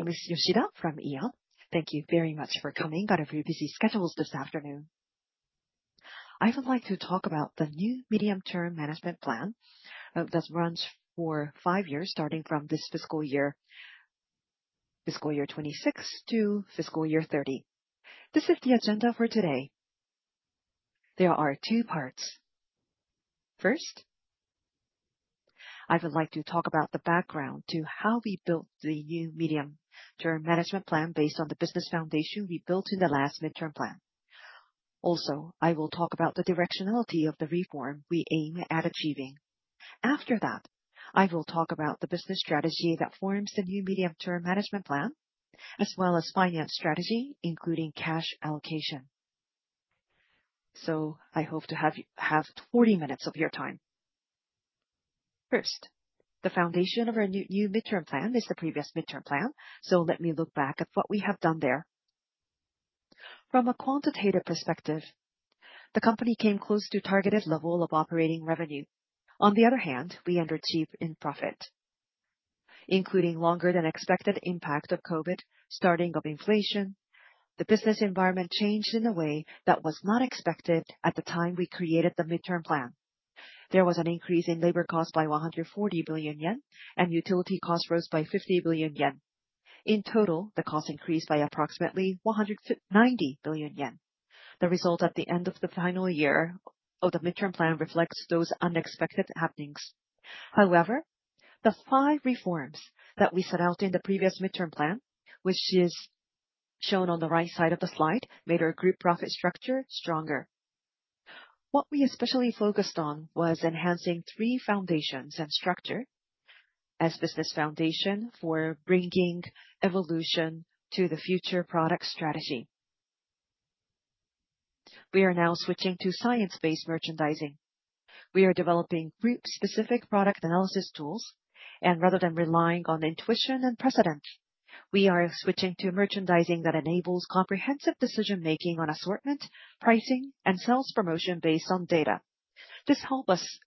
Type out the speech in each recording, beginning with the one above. My name is Yoshida from Aeon. Thank you very much for coming out of your busy schedules this afternoon. I would like to talk about the new medium-term management plan that runs for five years starting from this fiscal year, fiscal year 2026 to fiscal year 2030. This is the agenda for today. There are two parts. First, I would like to talk about the background to how we built the new medium-term management plan based on the business foundation we built in the last midterm plan. Also, I will talk about the directionality of the reform we aim at achieving. After that, I will talk about the business strategy that forms the new medium-term management plan as well as finance strategy, including cash allocation. I hope to have 40 minutes of your time. First, the foundation of our new midterm plan is the previous midterm plan. Let me look back at what we have done there. From a quantitative perspective, the company came close to targeted level of operating revenue. On the other hand, we underachieved in profit, including longer than expected impact of COVID, starting of inflation. The business environment changed in a way that was not expected at the time we created the midterm plan. There was an increase in labor cost by 140 billion yen, and utility costs rose by 50 billion yen. In total, the cost increased by approximately 190 billion yen. The result at the end of the final year of the midterm plan reflects those unexpected happenings. However, the five reforms that we set out in the previous midterm plan, which is shown on the right side of the slide, made our group profit structure stronger. What we especially focused on was enhancing three foundations and structure as business foundation for bringing evolution to the future product strategy. We are now switching to science-based merchandising. We are developing group specific product analysis tools and rather than relying on intuition and precedent, we are switching to merchandising that enables comprehensive decision making on assortment, pricing, and sales promotion based on data. This help us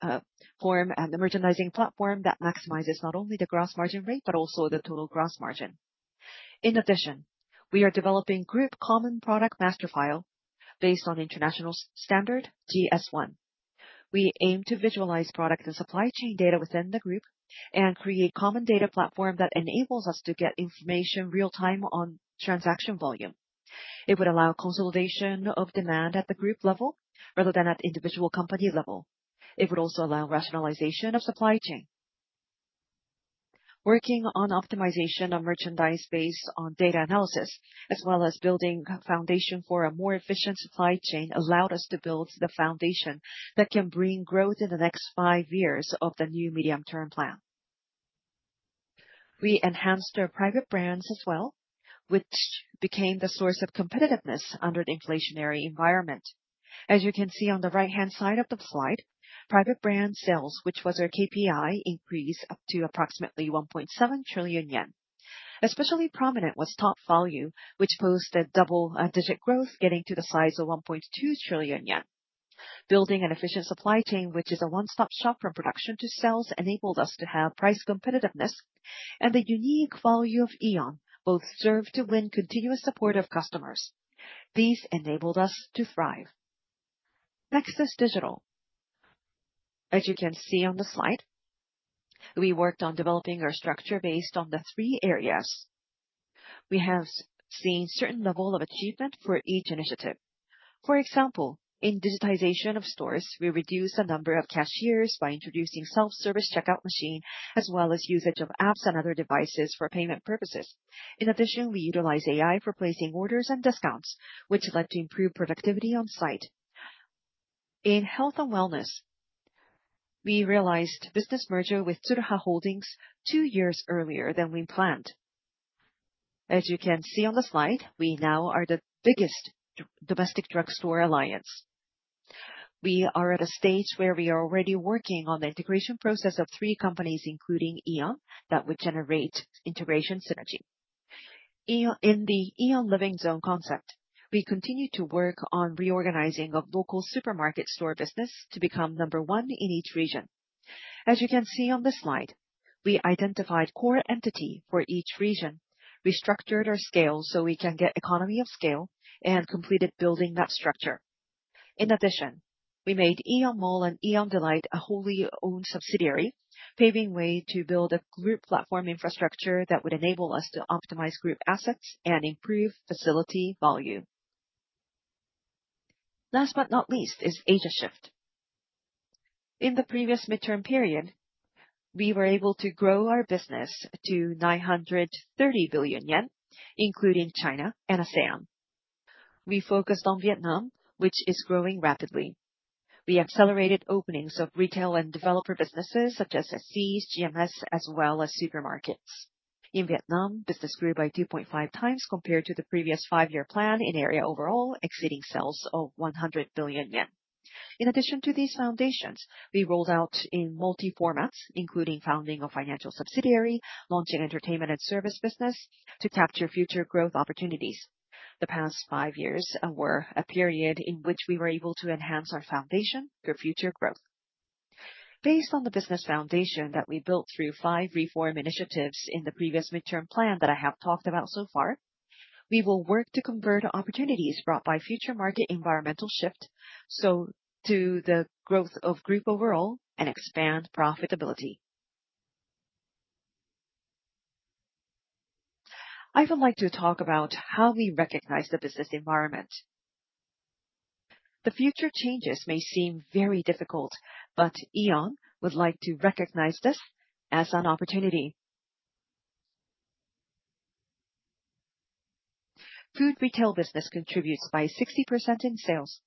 form a merchandising platform that maximizes not only the gross margin rate, but also the total gross margin. In addition, we are developing group common product master file based on international standard GS1. We aim to visualize product and supply chain data within the group and create common data platform that enables us to get information real time on transaction volume. It would allow consolidation of demand at the group level rather than at individual company level. It would also allow rationalization of supply chain. Working on optimization of merchandise based on data analysis, as well as building foundation for a more efficient supply chain, allowed us to build the foundation that can bring growth in the next five years of the new medium-term plan. We enhanced our private brands as well, which became the source of competitiveness under the inflationary environment. As you can see on the right-hand side of the slide, private brand sales, which was our KPI, increased up to approximately 1.7 trillion yen. Especially prominent was Topvalu, which posted double-digit growth, getting to the size of 1.2 trillion yen. Building an efficient supply chain, which is a one-stop shop from production to sales, enabled us to have price competitiveness and the unique value of Aeon both served to win continuous support of customers. These enabled us to thrive. Next is digital. As you can see on the slide, we worked on developing our structure based on the three areas. We have seen certain level of achievement for each initiative. For example, in digitization of stores, we reduced the number of cashiers by introducing self-service checkout machine as well as usage of apps and other devices for payment purposes. In addition, we utilized AI for placing orders and discounts, which led to improved productivity on site. In health and wellness, we realized business merger with Tsuruha Holdings two years earlier than we planned. As you can see on the slide, we now are the biggest domestic drugstore alliance. We are at a stage where we are already working on the integration process of three companies, including Aeon, that would generate integration synergy. In the Aeon Living Zone concept, we continue to work on reorganizing of local supermarket store business to become number one in each region. As you can see on this slide, we identified core entity for each region, restructured our scale so we can get economy of scale, and completed building that structure. In addition, we made Aeon Mall and Aeon Delight a wholly owned subsidiary, paving way to build a group platform infrastructure that would enable us to optimize group assets and improve facility volume. Last but not least, is Asia shift. In the previous midterm period, we were able to grow our business to 930 billion yen, including China and ASEAN. We focused on Vietnam, which is growing rapidly. We accelerated openings of retail and developer businesses such as SSM, GMS, as well as supermarkets. In Vietnam, business grew by 2.5 times compared to the previous five-year plan in area overall, exceeding sales of 100 billion yen. In addition to these foundations, we rolled out in multi formats, including founding a financial subsidiary, launching entertainment and service business to capture future growth opportunities. The past five years were a period in which we were able to enhance our foundation for future growth. Based on the business foundation that we built through five reform initiatives in the previous midterm plan that I have talked about so far, we will work to convert opportunities brought by future market environmental shift, to the growth of group overall and expand profitability. I would like to talk about how we recognize the business environment. The future changes may seem very difficult, but Aeon would like to recognize this as an opportunity. Food retail business contributes by 60% in sales.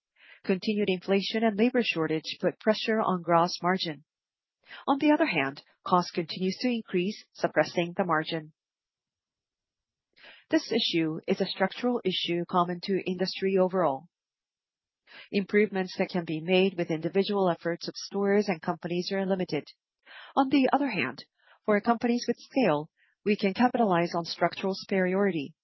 Continued inflation and labor shortage put pressure on gross margin. On the other hand, cost continues to increase, suppressing the margin. This issue is a structural issue common to industry overall. Improvements that can be made with individual efforts of stores and companies are limited. On the other hand, for companies with scale, we can capitalize on structural superiority.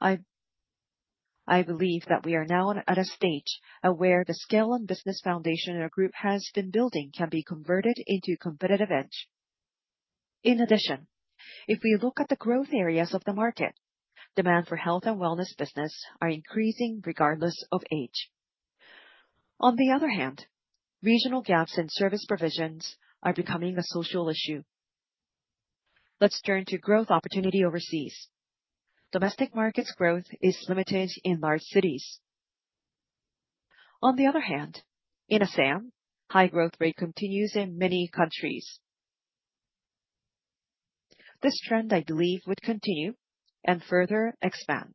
I believe that we are now at a stage where the scale and business foundation our group has been building can be converted into a competitive edge. In addition, if we look at the growth areas of the market, demand for health and wellness business are increasing regardless of age. On the other hand, regional gaps in service provisions are becoming a social issue. Let's turn to growth opportunity overseas. Domestic markets growth is limited in large cities. On the other hand, in ASEAN, high growth rate continues in many countries. This trend, I believe, would continue and further expand.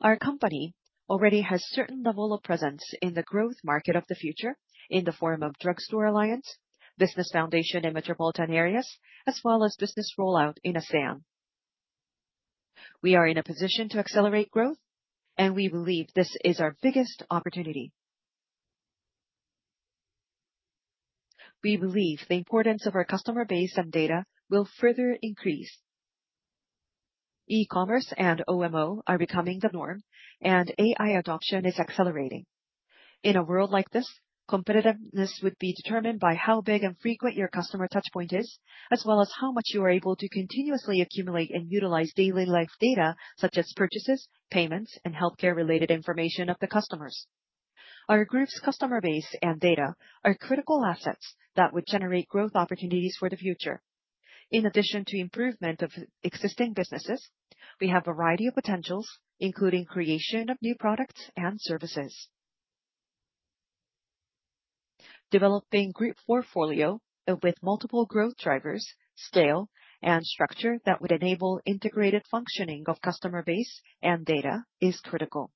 Our company already has certain level of presence in the growth market of the future in the form of drugstore alliance, business foundation in metropolitan areas, as well as business rollout in ASEAN. We are in a position to accelerate growth, and we believe this is our biggest opportunity. We believe the importance of our customer base and data will further increase. E-commerce and OMO are becoming the norm, and AI adoption is accelerating. In a world like this, competitiveness would be determined by how big and frequent your customer touch point is, as well as how much you are able to continuously accumulate and utilize daily life data, such as purchases, payments, and healthcare related information of the customers. Our group's customer base and data are critical assets that would generate growth opportunities for the future. In addition to improvement of existing businesses, we have a variety of potentials, including creation of new products and services. Developing group portfolio with multiple growth drivers, scale, and structure that would enable integrated functioning of customer base and data is critical.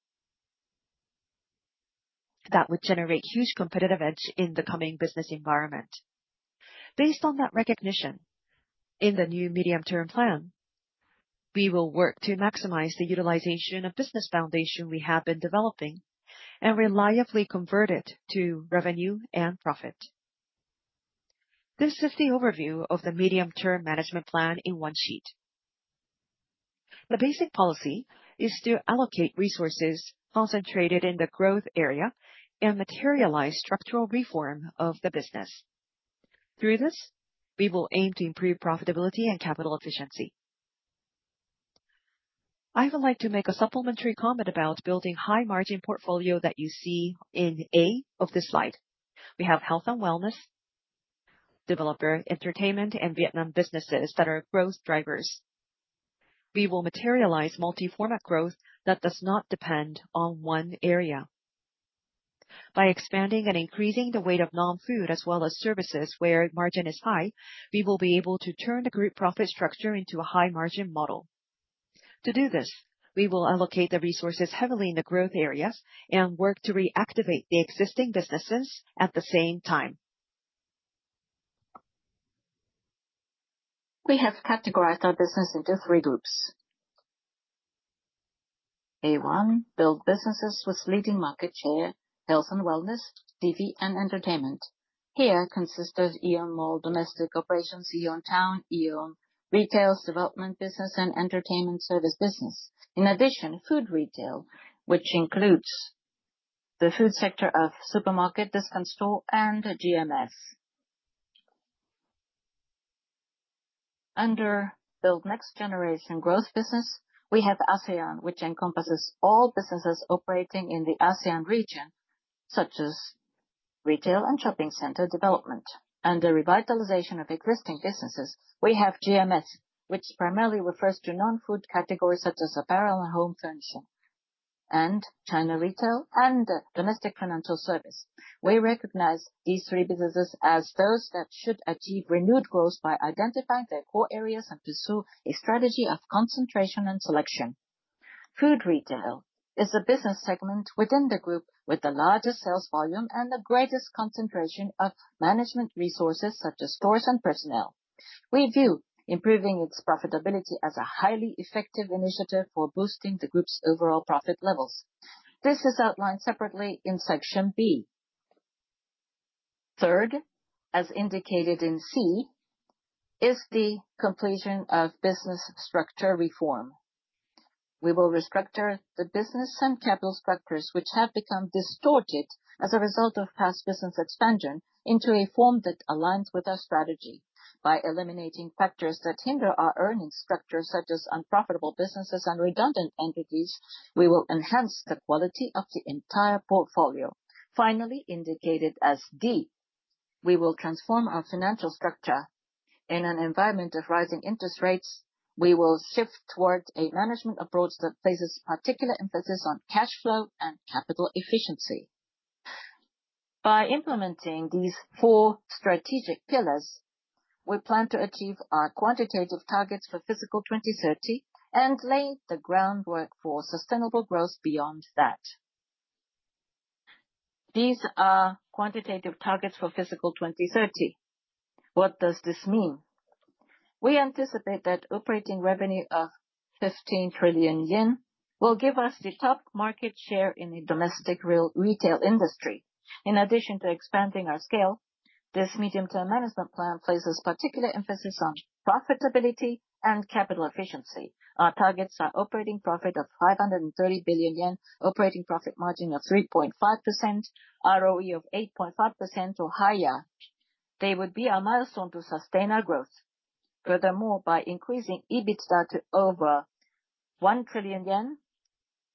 That would generate huge competitive edge in the coming business environment. Based on that recognition, in the new medium-term plan, we will work to maximize the utilization of business foundation we have been developing and reliably convert it to revenue and profit. This is the overview of the medium-term management plan in one sheet. The basic policy is to allocate resources concentrated in the growth area and materialize structural reform of the business. Through this, we will aim to improve profitability and capital efficiency. I would like to make a supplementary comment about building high margin portfolio that you see in A of this slide. We have Health & Wellness, Developer & Entertainment, and Vietnam businesses that are growth drivers. We will materialize multi-format growth that does not depend on one area. By expanding and increasing the weight of non-food as well as services where margin is high, we will be able to turn the group profit structure into a high margin model. To do this, we will allocate the resources heavily in the growth areas and work to reactivate the existing businesses at the same time. We have categorized our business into three groups. A 1, build businesses with leading market share, Health & Wellness, D&E, and entertainment. Here consists of Aeon Mall, domestic operations, Aeon Town, Aeon Retail, development business, and entertainment service business. In addition, food retail, which includes the food sector of supermarket, discount store, and GMS. Under build next generation growth business, we have ASEAN, which encompasses all businesses operating in the ASEAN region, such as retail and shopping center development. Under revitalization of existing businesses, we have GMS, which primarily refers to non-food categories such as apparel and home furnishing, and China retail, and domestic financial service. We recognize these three businesses as those that should achieve renewed growth by identifying their core areas and pursue a strategy of concentration and selection. Food retail is the business segment within the group with the largest sales volume and the greatest concentration of management resources, such as stores and personnel. We view improving its profitability as a highly effective initiative for boosting the group's overall profit levels. This is outlined separately in section B. Third, as indicated in C, is the completion of business structure reform. We will restructure the business and capital structures which have become distorted as a result of past business expansion into a form that aligns with our strategy. By eliminating factors that hinder our earnings structure, such as unprofitable businesses and redundant entities, we will enhance the quality of the entire portfolio. Finally, indicated as D, we will transform our financial structure. In an environment of rising interest rates, we will shift towards a management approach that places particular emphasis on cash flow and capital efficiency. By implementing these four strategic pillars, we plan to achieve our quantitative targets for fiscal 2030 and lay the groundwork for sustainable growth beyond that. These are quantitative targets for fiscal 2030. What does this mean? We anticipate that operating revenue of 15 trillion yen will give us the top market share in the domestic retail industry. In addition to expanding our scale, this medium-term management plan places particular emphasis on profitability and capital efficiency. Our targets are operating profit of 530 billion yen, operating profit margin of 3.5%, ROE of 8.5% or higher. They would be a milestone to sustain our growth. Furthermore, by increasing EBITDA to over 1 trillion yen,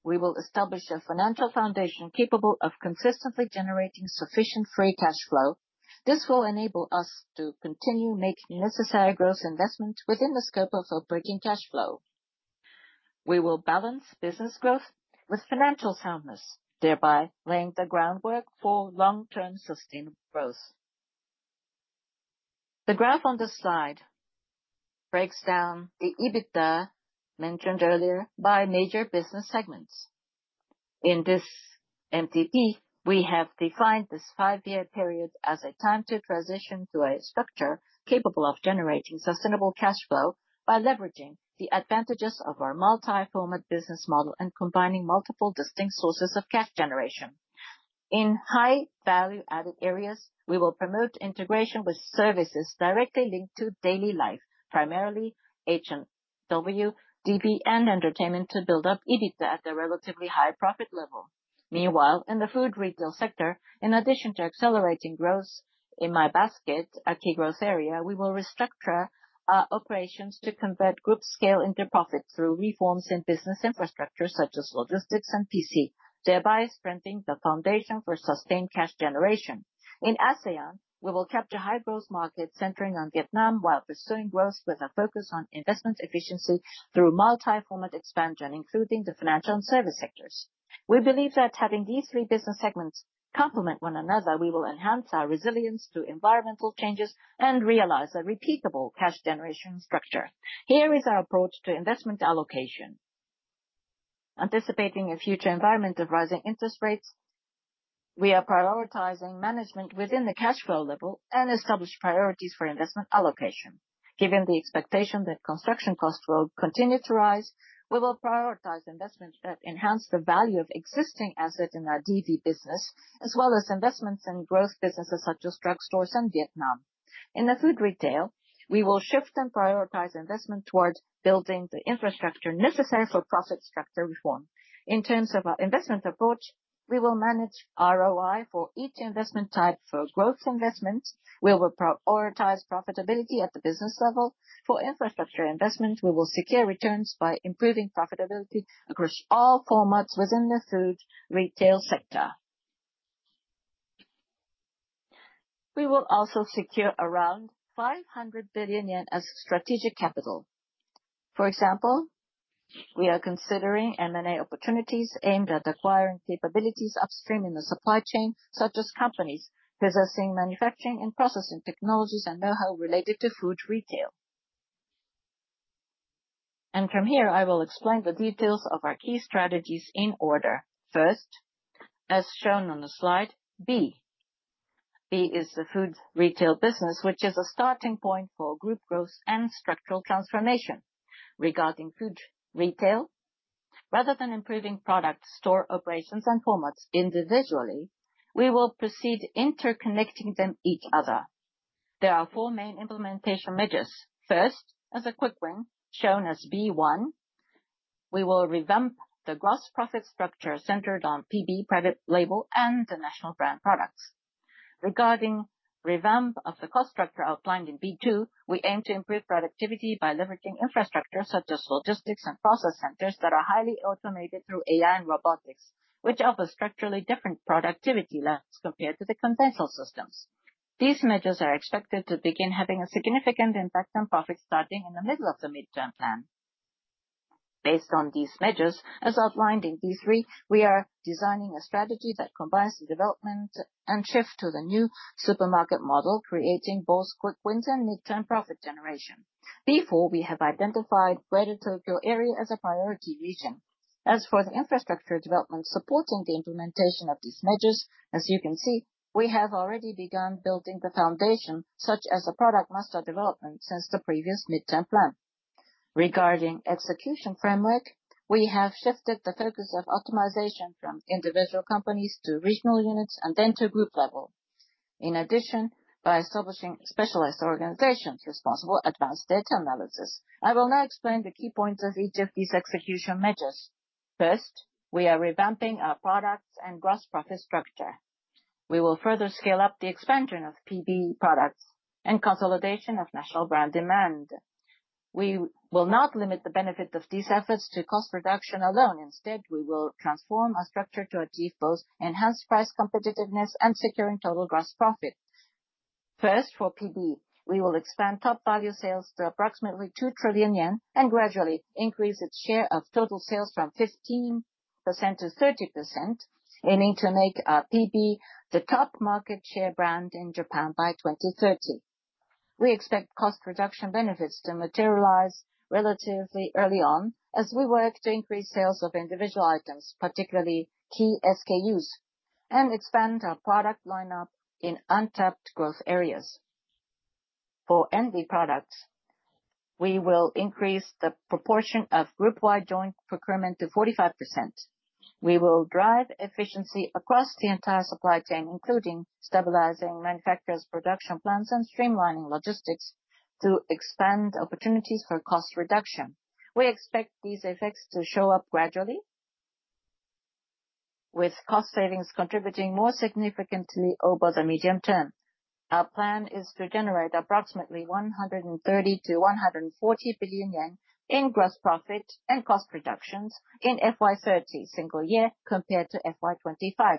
we will establish a financial foundation capable of consistently generating sufficient free cash flow. This will enable us to continue making necessary growth investments within the scope of operating cash flow. We will balance business growth with financial soundness, thereby laying the groundwork for long-term sustainable growth. The graph on the slide breaks down the EBITDA mentioned earlier by major business segments. In this MTP, we have defined this five-year period as a time to transition to a structure capable of generating sustainable cash flow by leveraging the advantages of our multi-format business model and combining multiple distinct sources of cash generation. In high value-added areas, we will promote integration with services directly linked to daily life, primarily H&W, D&E, and entertainment to build up EBITDA at a relatively high profit level. Meanwhile, in the food retail sector, in addition to accelerating growth in My Basket, our key growth area, we will restructure our operations to convert group scale into profit through reforms in business infrastructure such as logistics and PC, thereby strengthening the foundation for sustained cash generation. In ASEAN, we will capture high-growth markets centering on Vietnam while pursuing growth with a focus on investment efficiency through multi-format expansion, including the financial and service sectors. We believe that having these three business segments complement one another, we will enhance our resilience to environmental changes and realize a repeatable cash generation structure. Here is our approach to investment allocation. Anticipating a future environment of rising interest rates, we are prioritizing management within the cash flow level and establish priorities for investment allocation. Given the expectation that construction costs will continue to rise, we will prioritize investments that enhance the value of existing assets in our D&E business, as well as investments in growth businesses such as drugstores and Vietnam. In the food retail, we will shift and prioritize investment towards building the infrastructure necessary for profit structure reform. In terms of our investment approach, we will manage ROI for each investment type. For growth investments, we will prioritize profitability at the business level. For infrastructure investment, we will secure returns by improving profitability across all formats within the food retail sector. We will also secure around 500 billion yen as strategic capital. For example, we are considering M&A opportunities aimed at acquiring capabilities upstream in the supply chain, such as companies possessing manufacturing and processing technologies and knowhow related to food retail. From here, I will explain the details of our key strategies in order. First, as shown on the slide, B. B is the food retail business, which is a starting point for group growth and structural transformation. Regarding food retail, rather than improving product store operations and formats individually, we will proceed interconnecting them each other. There are four main implementation measures. First, as a quick win shown as B1, we will revamp the gross profit structure centered on PB private label and the national brand products. Regarding revamp of the cost structure outlined in B2, we aim to improve productivity by leveraging infrastructure such as logistics and process centers that are highly automated through AI and robotics, which offer structurally different productivity levels compared to the conventional systems. These measures are expected to begin having a significant impact on profit starting in the middle of the mid-term plan. Based on these measures, as outlined in B3, we are designing a strategy that combines the development and shift to the new supermarket model, creating both quick wins and mid-term profit generation. B4, we have identified greater Tokyo area as a priority region. As for the infrastructure development supporting the implementation of these measures, as you can see, we have already begun building the foundation, such as the product master development since the previous mid-term plan. Regarding execution framework, we have shifted the focus of optimization from individual companies to regional units, and then to group level. In addition, by establishing specialized organizations responsible advanced data analysis. I will now explain the key points of each of these execution measures. First, we are revamping our products and gross profit structure. We will further scale up the expansion of PB products and consolidation of national brand demand. We will not limit the benefit of these efforts to cost reduction alone. Instead, we will transform our structure to achieve both enhanced price competitiveness and securing total gross profit. First, for PB, we will expand Topvalu sales to approximately 2 trillion yen and gradually increase its share of total sales from 15%-30%, aiming to make our PB the top market share brand in Japan by 2030. We expect cost reduction benefits to materialize relatively early on as we work to increase sales of individual items, particularly key SKUs, and expand our product lineup in untapped growth areas. For NB products, we will increase the proportion of group-wide joint procurement to 45%. We will drive efficiency across the entire supply chain, including stabilizing manufacturers' production plans and streamlining logistics to expand opportunities for cost reduction. We expect these effects to show up gradually, with cost savings contributing more significantly over the medium term. Our plan is to generate approximately 130 billion-140 billion yen in gross profit and cost reductions in FY 2030 single year compared to FY 2025.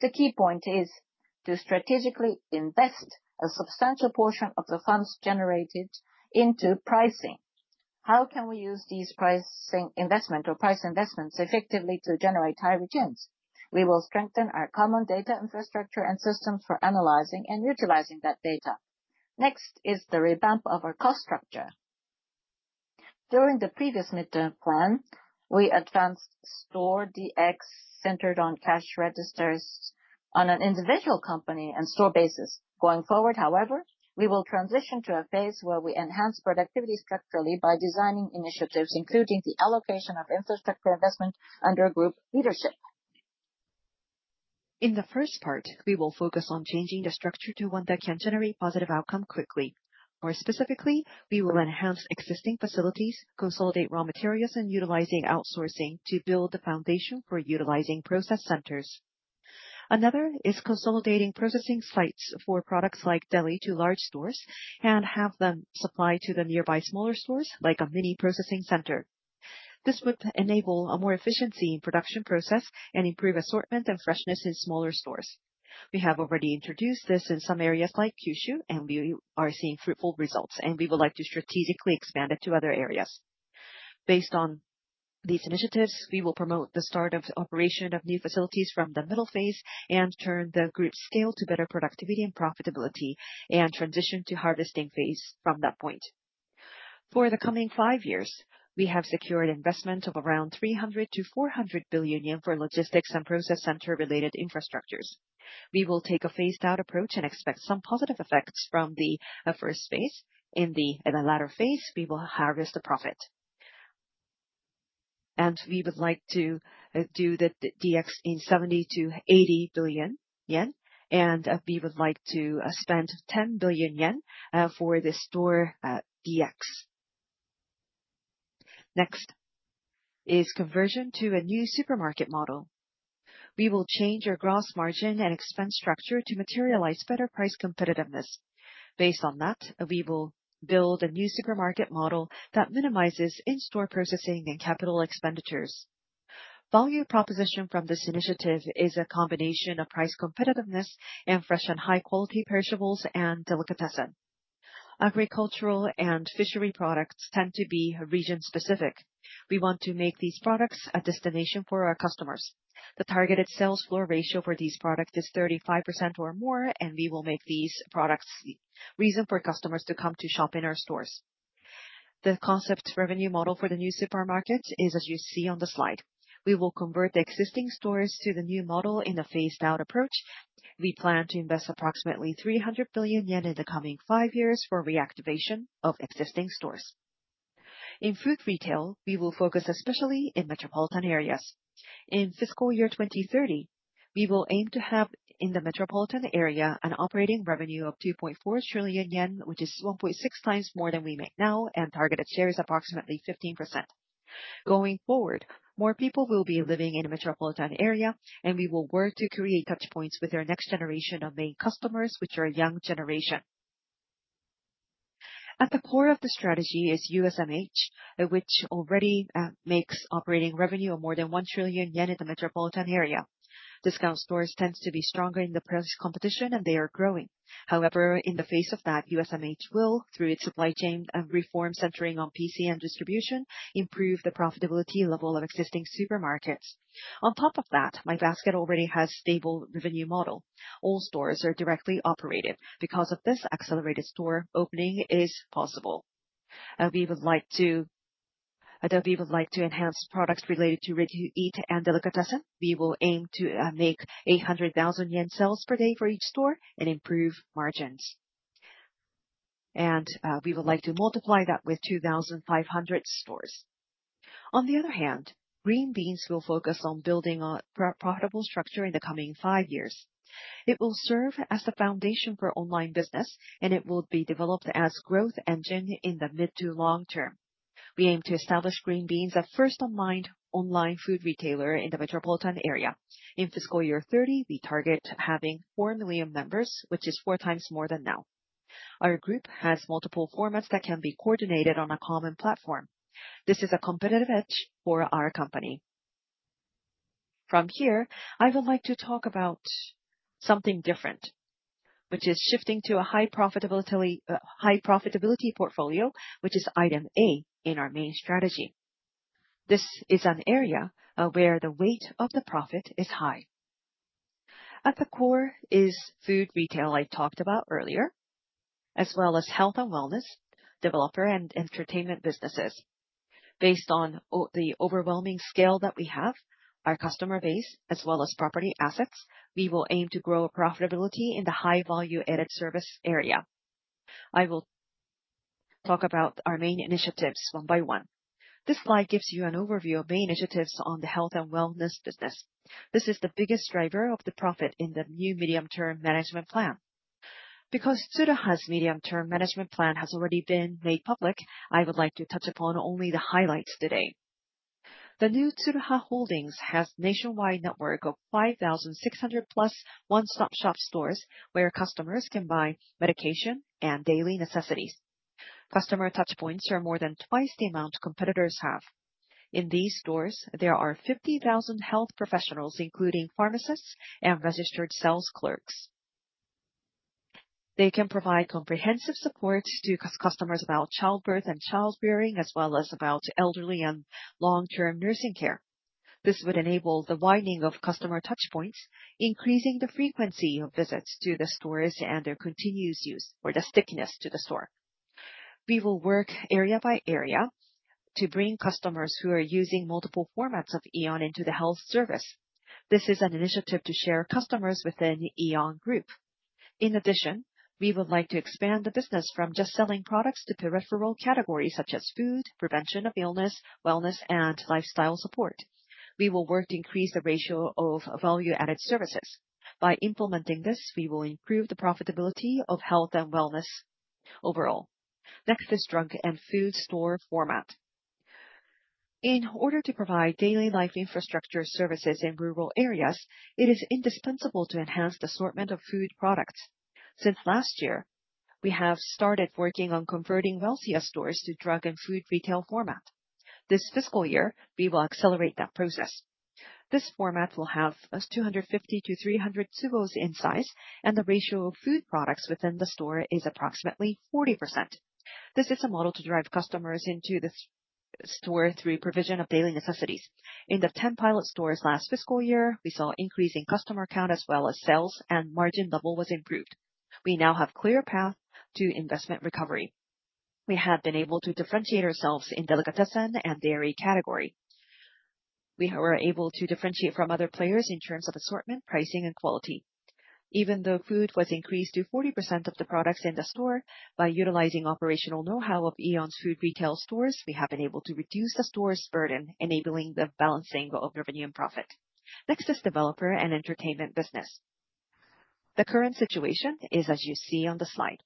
The key point is to strategically invest a substantial portion of the funds generated into pricing. How can we use these price investments effectively to generate high returns? We will strengthen our common data infrastructure and systems for analyzing and utilizing that data. Next is the revamp of our cost structure. During the previous midterm plan, we advanced store DX centered on cash registers on an individual company and store basis. Going forward, however, we will transition to a phase where we enhance productivity structurally by designing initiatives, including the allocation of infrastructure investment under group leadership. In the first part, we will focus on changing the structure to one that can generate positive outcome quickly. More specifically, we will enhance existing facilities, consolidate raw materials, and utilizing outsourcing to build the foundation for utilizing process centers. Another is consolidating processing sites for products like deli to large stores and have them supply to the nearby smaller stores like a mini processing center. This would enable a more efficiency in production process and improve assortment and freshness in smaller stores. We have already introduced this in some areas like Kyushu, and we are seeing fruitful results. We would like to strategically expand it to other areas. Based on these initiatives, we will promote the start of operation of new facilities from the middle phase and turn the group scale to better productivity and profitability and transition to harvesting phase from that point. For the coming 5 years, we have secured investment of around 300 billion-400 billion yen for logistics and process center-related infrastructures. We will take a phased out approach and expect some positive effects from the first phase. In the latter phase, we will harvest the profit. We would like to do that DX in 70 billion-80 billion yen. We would like to spend 10 billion yen for the store DX. Next is conversion to a new supermarket model. We will change our gross margin and expense structure to materialize better price competitiveness. Based on that, we will build a new supermarket model that minimizes in-store processing and capital expenditures. Value proposition from this initiative is a combination of price competitiveness and fresh and high-quality perishables and delicatessen. Agricultural and fishery products tend to be region-specific. We want to make these products a destination for our customers. The targeted sales floor ratio for these product is 35% or more. We will make these products reason for customers to come to shop in our stores. The concept revenue model for the new supermarket is as you see on the slide. We will convert the existing stores to the new model in a phased out approach. We plan to invest approximately 300 billion yen in the coming 5 years for reactivation of existing stores. In food retail, we will focus especially in metropolitan areas. In fiscal year 2030, we will aim to have, in the metropolitan area, an operating revenue of 2.4 trillion yen, which is 1.6 times more than we make now. Targeted share is approximately 15%. Going forward, more people will be living in a metropolitan area. We will work to create touch points with our next generation of main customers, which are young generation. At the core of the strategy is USMH, which already makes operating revenue of more than 1 trillion yen in the metropolitan area. Discount stores tend to be stronger in the price competition. They are growing. However, in the face of that, USMH will, through its supply chain and reform centering on PC and distribution, improve the profitability level of existing supermarkets. On top of that, My Basket already has stable revenue model. All stores are directly operated. Because of this, accelerated store opening is possible. Adavi would like to enhance products related to ready-to-eat and delicatessen. We will aim to make 800,000 yen sales per day for each store and improve margins. We would like to multiply that with 2,500 stores. On the other hand, Green Beans will focus on building a profitable structure in the coming 5 years. It will serve as the foundation for online business. It will be developed as growth engine in the mid to long term. We aim to establish Green Beans a first online food retailer in the metropolitan area. In fiscal year 2030, we target having 4 million members, which is 4 times more than now. Our group has multiple formats that can be coordinated on a common platform. This is a competitive edge for our company. From here, I would like to talk about something different, which is shifting to a high profitability portfolio, which is item A in our main strategy. This is an area where the weight of the profit is high. At the core is food retail I talked about earlier, as well as Health and Wellness, Developer and Entertainment businesses. Based on the overwhelming scale that we have, our customer base, as well as property assets, we will aim to grow profitability in the high value-added service area. I will talk about our main initiatives one by one. This slide gives you an overview of main initiatives on the Health and Wellness business. This is the biggest driver of the profit in the new medium-term management plan. Because Tsuruha's medium-term management plan has already been made public, I would like to touch upon only the highlights today. The new Tsuruha Holdings has nationwide network of 5,600-plus one-stop shop stores where customers can buy medication and daily necessities. Customer touch points are more than 2 times the amount competitors have. In these stores, there are 50,000 health professionals, including pharmacists and registered sales clerks. They can provide comprehensive support to customers about childbirth and child-rearing, as well as about elderly and long-term nursing care. This would enable the widening of customer touch points, increasing the frequency of visits to the stores and their continuous use or the stickiness to the store. We will work area by area to bring customers who are using multiple formats of Aeon into the health service. This is an initiative to share customers within Aeon Group. We would like to expand the business from just selling products to peripheral categories such as food, prevention of illness, Wellness and lifestyle support. We will work to increase the ratio of value-added services. By implementing this, we will improve the profitability of Health and Wellness overall. Next is drug and food store format. In order to provide daily life infrastructure services in rural areas, it is indispensable to enhance the assortment of food products. Since last year, we have started working on converting Welcia stores to drug and food retail format. This fiscal year, we will accelerate that process. This format will have 250 to 300 SKUs in size, and the ratio of food products within the store is approximately 40%. This is a model to drive customers into the store through provision of daily necessities. In the 10 pilot stores last fiscal year, we saw increase in customer count as well as sales, and margin level was improved. We now have clear path to investment recovery. We have been able to differentiate ourselves in delicatessen and dairy category. We are able to differentiate from other players in terms of assortment, pricing, and quality. Even though food was increased to 40% of the products in the store, by utilizing operational knowhow of Aeon's food retail stores, we have been able to reduce the store's burden, enabling the balancing of revenue and profit. Next is Developer and Entertainment business. The current situation is as you see on the slide.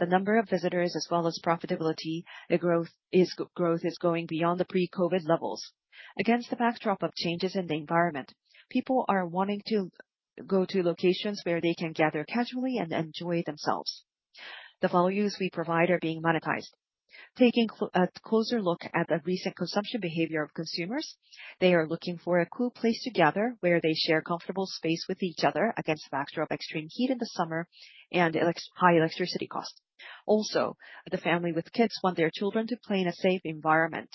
The number of visitors as well as profitability, growth is going beyond pre-COVID levels. Against the backdrop of changes in the environment, people are wanting to go to locations where they can gather casually and enjoy themselves. The values we provide are being monetized. Taking a closer look at the recent consumption behavior of consumers, they are looking for a cool place to gather, where they share comfortable space with each other against the backdrop of extreme heat in the summer and high electricity cost. Also, the family with kids want their children to play in a safe environment.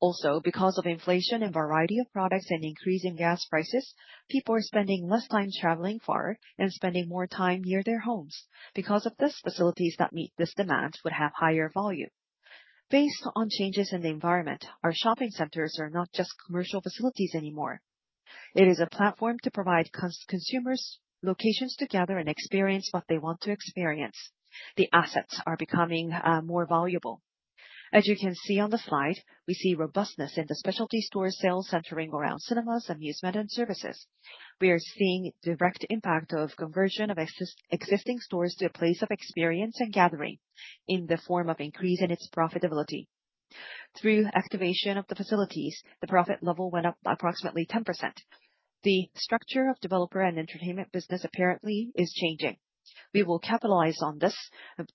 Also, because of inflation and variety of products and increasing gas prices, people are spending less time traveling far and spending more time near their homes. Because of this, facilities that meet this demand would have higher volume. Based on changes in the environment, our shopping centers are not just commercial facilities anymore. It is a platform to provide consumers locations to gather and experience what they want to experience. The assets are becoming more valuable. As you can see on the slide, we see robustness in the specialty store sales centering around cinemas, amusement, and services. We are seeing direct impact of conversion of existing stores to a place of experience and gathering in the form of increase in its profitability. Through activation of the facilities, the profit level went up by approximately 10%. The structure of Developer and Entertainment business apparently is changing. We will capitalize on this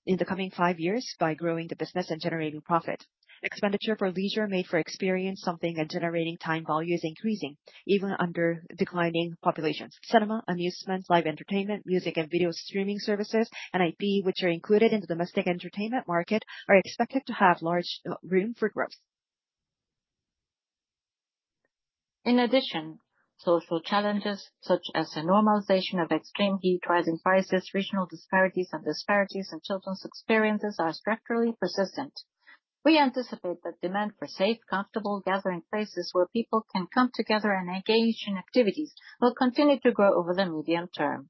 in the coming five years by growing the business and generating profit. Expenditure for leisure made for experience something and generating time value is increasing even under declining populations. Cinema, amusement, live entertainment, music and video streaming services, and IP, which are included in the domestic entertainment market, are expected to have large room for growth. In addition, social challenges such as the normalization of extreme heat, rising prices, regional disparities, and disparities in children's experiences are structurally persistent. We anticipate that demand for safe, comfortable gathering places where people can come together and engage in activities will continue to grow over the medium term.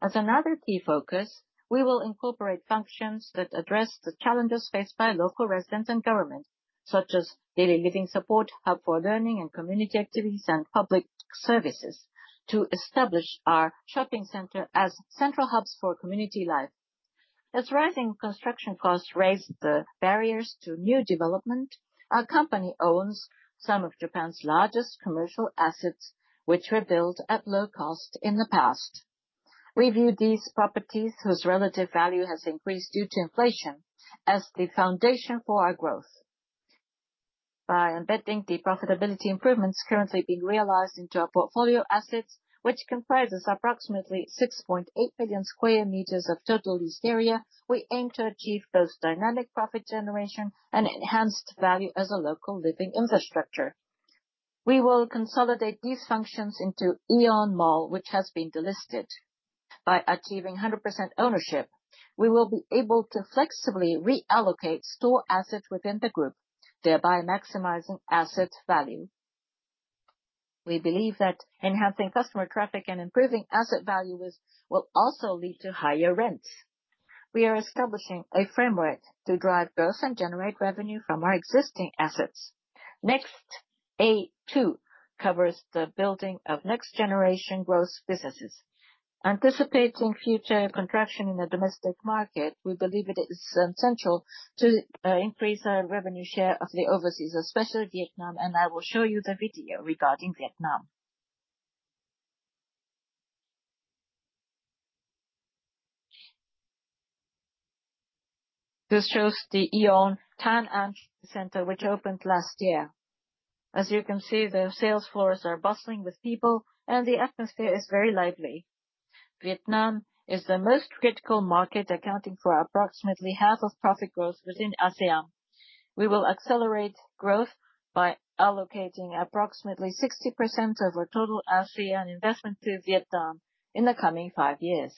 As another key focus, we will incorporate functions that address the challenges faced by local residents and governments, such as daily living support, hub for learning and community activities, and public services to establish our shopping center as central hubs for community life. As rising construction costs raise the barriers to new development, our company owns some of Japan's largest commercial assets, which were built at low cost in the past. We view these properties, whose relative value has increased due to inflation, as the foundation for our growth. By embedding the profitability improvements currently being realized into our portfolio assets, which comprises approximately 6.8 million sq m of total leased area, we aim to achieve both dynamic profit generation and enhanced value as a local living infrastructure. We will consolidate these functions into Aeon Mall, which has been delisted. By achieving 100% ownership, we will be able to flexibly reallocate store assets within the group, thereby maximizing asset value. We believe that enhancing customer traffic and improving asset value will also lead to higher rents. We are establishing a framework to drive growth and generate revenue from our existing assets. Next, A.2 covers the building of next generation growth businesses. Anticipating future contraction in the domestic market, we believe it is essential to increase our revenue share of the overseas, especially Vietnam. I will show you the video regarding Vietnam. This shows the Aeon Tan Anh Center, which opened last year. As you can see, the sales floors are bustling with people and the atmosphere is very lively. Vietnam is the most critical market, accounting for approximately half of profit growth within ASEAN. We will accelerate growth by allocating approximately 60% of our total ASEAN investment to Vietnam in the coming five years.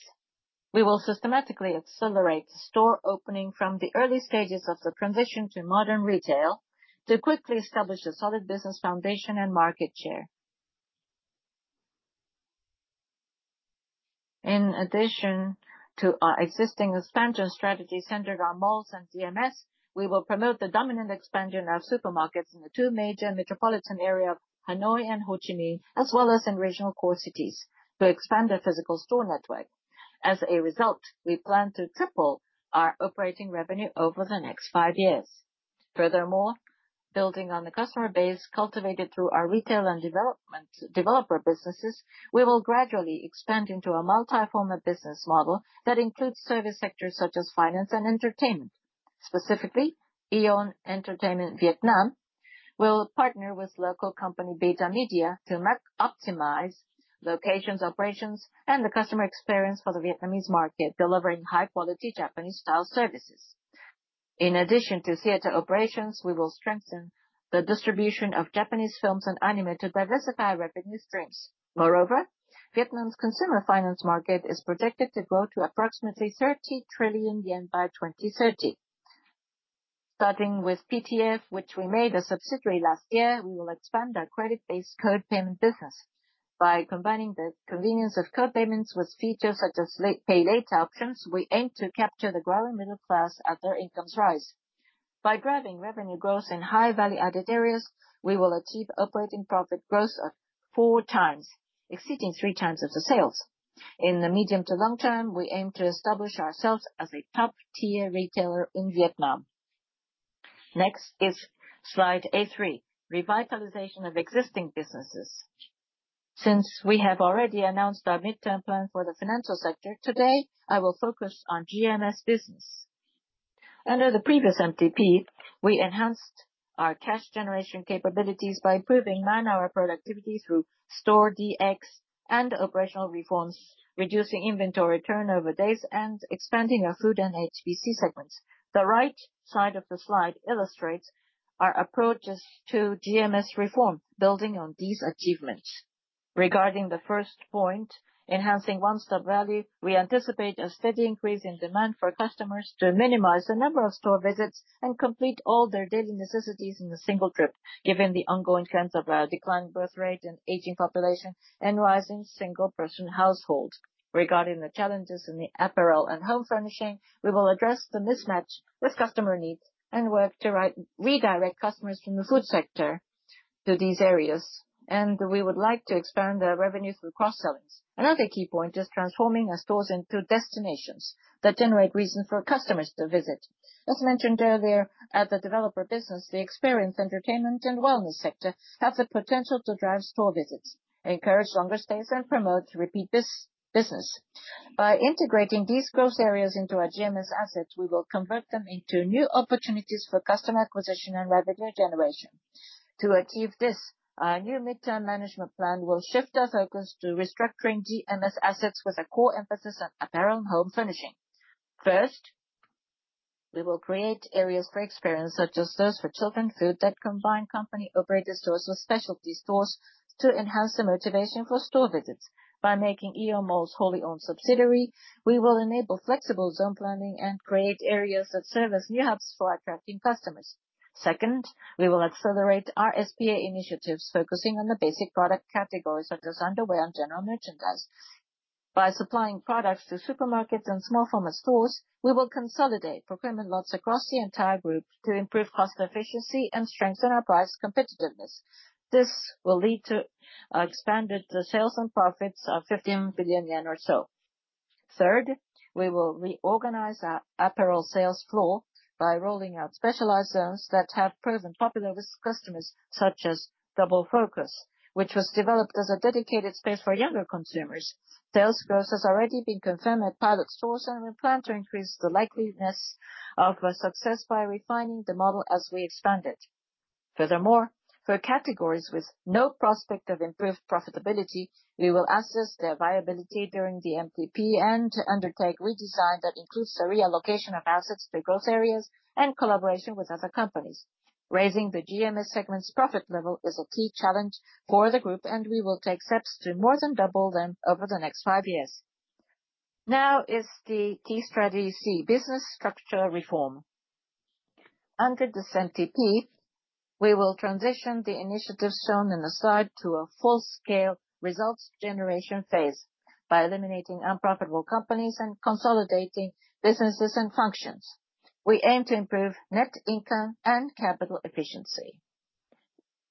We will systematically accelerate store opening from the early stages of the transition to modern retail to quickly establish a solid business foundation and market share. In addition to our existing expansion strategy centered on malls and GMS, we will promote the dominant expansion of supermarkets in the two major metropolitan areas of Hanoi and Ho Chi Minh, as well as in regional core cities to expand their physical store network. As a result, we plan to triple our operating revenue over the next five years. Building on the customer base cultivated through our retail and developer businesses, we will gradually expand into a multi-format business model that includes service sectors such as finance and entertainment. Specifically, Aeon Entertainment Vietnam will partner with local company Beta Media to optimize locations, operations, and the customer experience for the Vietnamese market, delivering high-quality Japanese-style services. In addition to theater operations, we will strengthen the distribution of Japanese films and anime to diversify revenue streams. Vietnam's consumer finance market is projected to grow to approximately 30 trillion yen by 2030. Starting with PTF, which we made a subsidiary last year, we will expand our credit-based code payment business. By combining the convenience of code payments with features such as pay later options, we aim to capture the growing middle class as their incomes rise. By driving revenue growth in high value-added areas, we will achieve operating profit growth of 4 times, exceeding 3 times of the sales. In the medium to long term, we aim to establish ourselves as a top-tier retailer in Vietnam. Next is slide A.3, revitalization of existing businesses. Since we have already announced our midterm plan for the financial sector, today, I will focus on GMS business. Under the previous MTP, we enhanced our cash generation capabilities by improving man-hour productivity through Store DX and operational reforms, reducing inventory turnover days, and expanding our food and H&BC segments. The right side of the slide illustrates our approaches to GMS reform, building on these achievements. Regarding the first point, enhancing one-stop value, we anticipate a steady increase in demand for customers to minimize the number of store visits and complete all their daily necessities in a single trip, given the ongoing trends of our declining birth rate and aging population and rising single-person households. Regarding the challenges in the apparel and home furnishing, we will address the mismatch with customer needs and work to redirect customers from the food sector to these areas, and we would like to expand our revenue through cross-sellings. Another key point is transforming our stores into destinations that generate reasons for customers to visit. As mentioned earlier, at the developer business, the experience, entertainment, and wellness sector have the potential to drive store visits, encourage longer stays, and promote repeat business. By integrating these growth areas into our GMS assets, we will convert them into new opportunities for customer acquisition and revenue generation. To achieve this, our new midterm management plan will shift our focus to restructuring GMS assets with a core emphasis on apparel and home furnishing. First We will create areas for experience, such as those for children's food, that combine company-operated stores with specialty stores to enhance the motivation for store visits. By making Aeon Mall a wholly-owned subsidiary, we will enable flexible zone planning and create areas that serve as new hubs for attracting customers. Second we will accelerate our SPA initiatives, focusing on the basic product categories such as underwear and general merchandise. By supplying products to supermarkets and small format stores, we will consolidate procurement lots across the entire group to improve cost efficiency and strengthen our price competitiveness. This will lead to expanded sales and profits of 15 billion yen or so. Third we will reorganize our apparel sales floor by rolling out specialized zones that have proven popular with customers, such as Double Focus, which was developed as a dedicated space for younger consumers. Sales growth has already been confirmed at pilot stores, and we plan to increase the likeliness of our success by refining the model as we expand it. Furthermore, for categories with no prospect of improved profitability, we will assess their viability during the MTP and undertake redesign that includes the reallocation of assets to growth areas and collaboration with other companies. Raising the GMS segment's profit level is a key challenge for the group, and we will take steps to more than double them over the next 5 years. Now is the key strategy C, business structure reform. Under this MTP, we will transition the initiatives shown in the slide to a full-scale results generation phase by eliminating unprofitable companies and consolidating businesses and functions. We aim to improve net income and capital efficiency.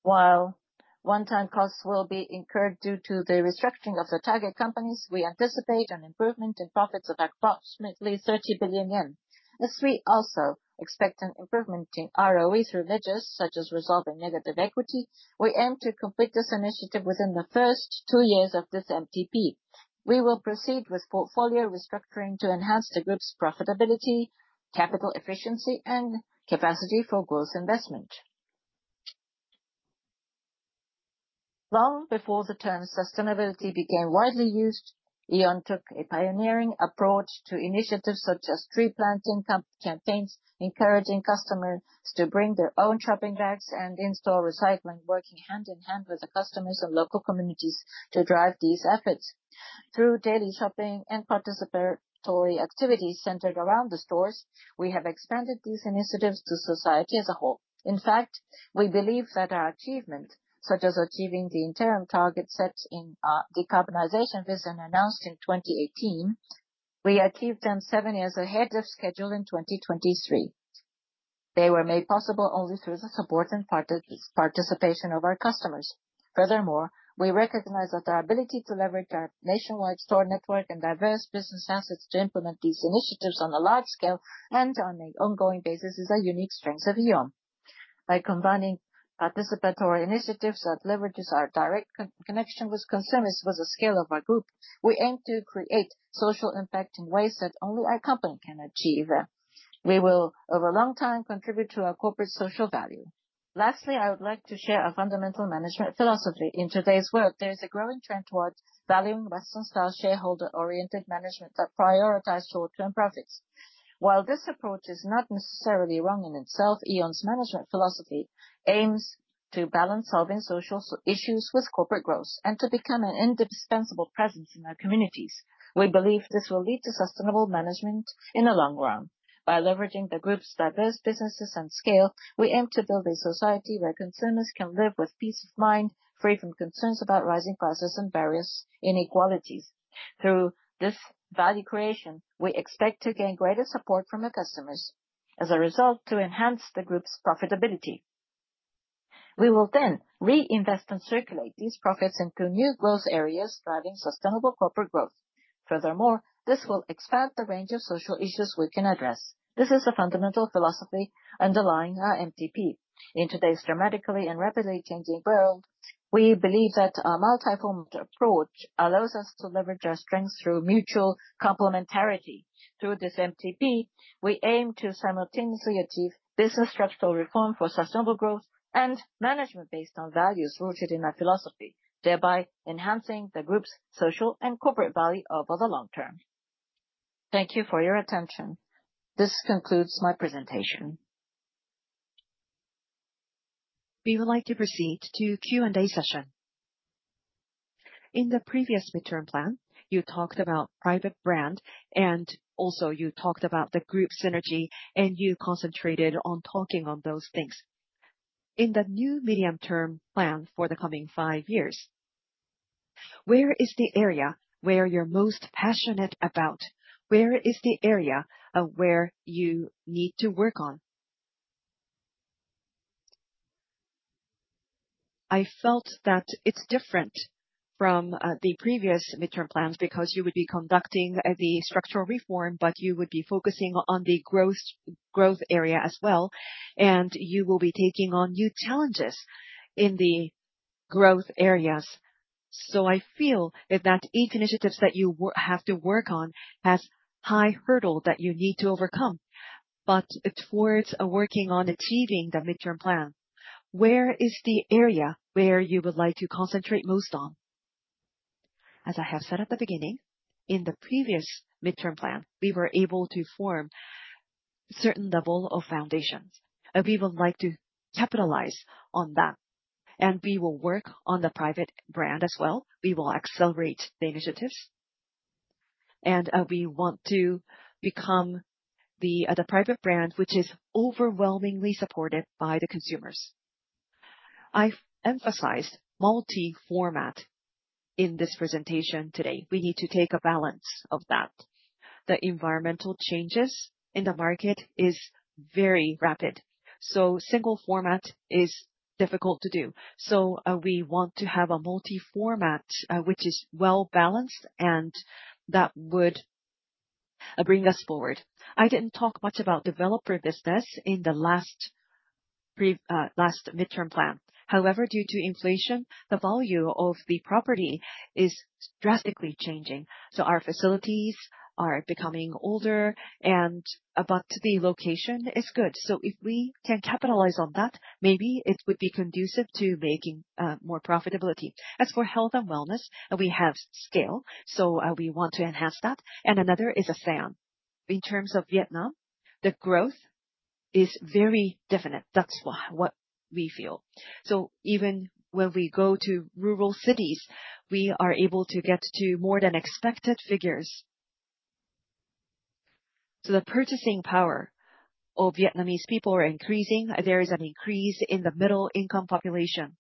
While one-time costs will be incurred due to the restructuring of the target companies, we anticipate an improvement in profits of approximately 30 billion yen. As we also expect an improvement in ROE through measures such as resolving negative equity, we aim to complete this initiative within the first two years of this MTP. We will proceed with portfolio restructuring to enhance the group's profitability, capital efficiency, and capacity for growth investment. Long before the term sustainability became widely used, Aeon took a pioneering approach to initiatives such as tree planting campaigns, encouraging customers to bring their own shopping bags, and in-store recycling, working hand in hand with customers and local communities to drive these efforts. Through daily shopping and participatory activities centered around the stores, we have expanded these initiatives to society as a whole. In fact, we believe that our achievements, such as achieving the interim target set in our decarbonization vision announced in 2018, we achieved them seven years ahead of schedule in 2023. They were made possible only through the support and participation of our customers. Furthermore, we recognize that the ability to leverage our nationwide store network and diverse business assets to implement these initiatives on a large scale and on an ongoing basis is a unique strength of Aeon. By combining participatory initiatives that leverages our direct connection with consumers with the scale of our group, we aim to create social impact in ways that only our company can achieve. We will, over a long time, contribute to our corporate social value. Lastly, I would like to share a fundamental management philosophy. In today's world, there is a growing trend towards valuing Western-style shareholder-oriented management that prioritize short-term profits. While this approach is not necessarily wrong in itself, Aeon's management philosophy aims to balance solving social issues with corporate growth and to become an indispensable presence in our communities. We believe this will lead to sustainable management in the long run. By leveraging the group's diverse businesses and scale, we aim to build a society where consumers can live with peace of mind, free from concerns about rising prices and various inequalities. Through this value creation, we expect to gain greater support from the customers. As a result, to enhance the group's profitability. We will reinvest and circulate these profits into new growth areas, driving sustainable corporate growth. Furthermore, this will expand the range of social issues we can address. This is the fundamental philosophy underlying our MTP. In today's dramatically and rapidly changing world, we believe that a multi-faceted approach allows us to leverage our strengths through mutual complementarity. Through this MTP, we aim to simultaneously achieve business structural reform for sustainable growth and management based on values rooted in our philosophy, thereby enhancing the group's social and corporate value over the long term. Thank you for your attention. This concludes my presentation. We would like to proceed to Q&A session. In the previous midterm plan, you talked about private brand, and also you talked about the group synergy, and you concentrated on talking on those things. In the new medium-term plan for the coming 5 years, where is the area where you're most passionate about? Where is the area where you need to work on? I felt that it's different from the previous midterm plans because you would be conducting the structural reform, but you would be focusing on the growth area as well, and you will be taking on new challenges in the growth areas. I feel that each initiative that you have to work on has a high hurdle that you need to overcome. Towards working on achieving the midterm plan, where is the area where you would like to concentrate most on? As I have said at the beginning, in the previous midterm plan, we were able to form certain level of foundations. We would like to capitalize on that, and we will work on the private brand as well. We will accelerate the initiatives, and we want to become the private brand, which is overwhelmingly supported by the consumers. I've emphasized multi-format in this presentation today. We need to take a balance of that. The environmental changes in the market is very rapid. Single format is difficult to do. We want to have a multi-format, which is well-balanced, and that would bring us forward. I didn't talk much about developer business in the last midterm plan. However, due to inflation, the value of the property is drastically changing. Our facilities are becoming older, but the location is good. If we can capitalize on that, maybe it would be conducive to making more profitability. As for health and wellness, we have scale, we want to enhance that. Another is Afam. In terms of Vietnam, the growth is very definite. That's what we feel. Even when we go to rural cities, we are able to get to more than expected figures. The purchasing power of Vietnamese people are increasing. There is an increase in the middle income population.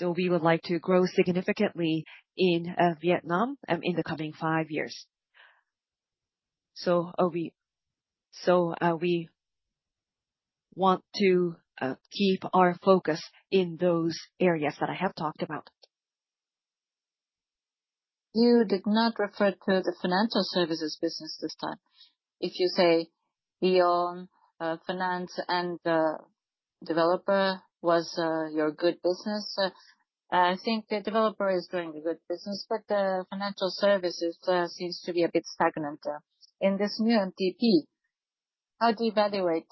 We would like to grow significantly in Vietnam in the coming 5 years. We want to keep our focus in those areas that I have talked about. You did not refer to the financial services business this time. If you say beyond finance and developer was your good business, I think the developer is doing a good business, but the financial services seems to be a bit stagnant. In this new MTP, how do you evaluate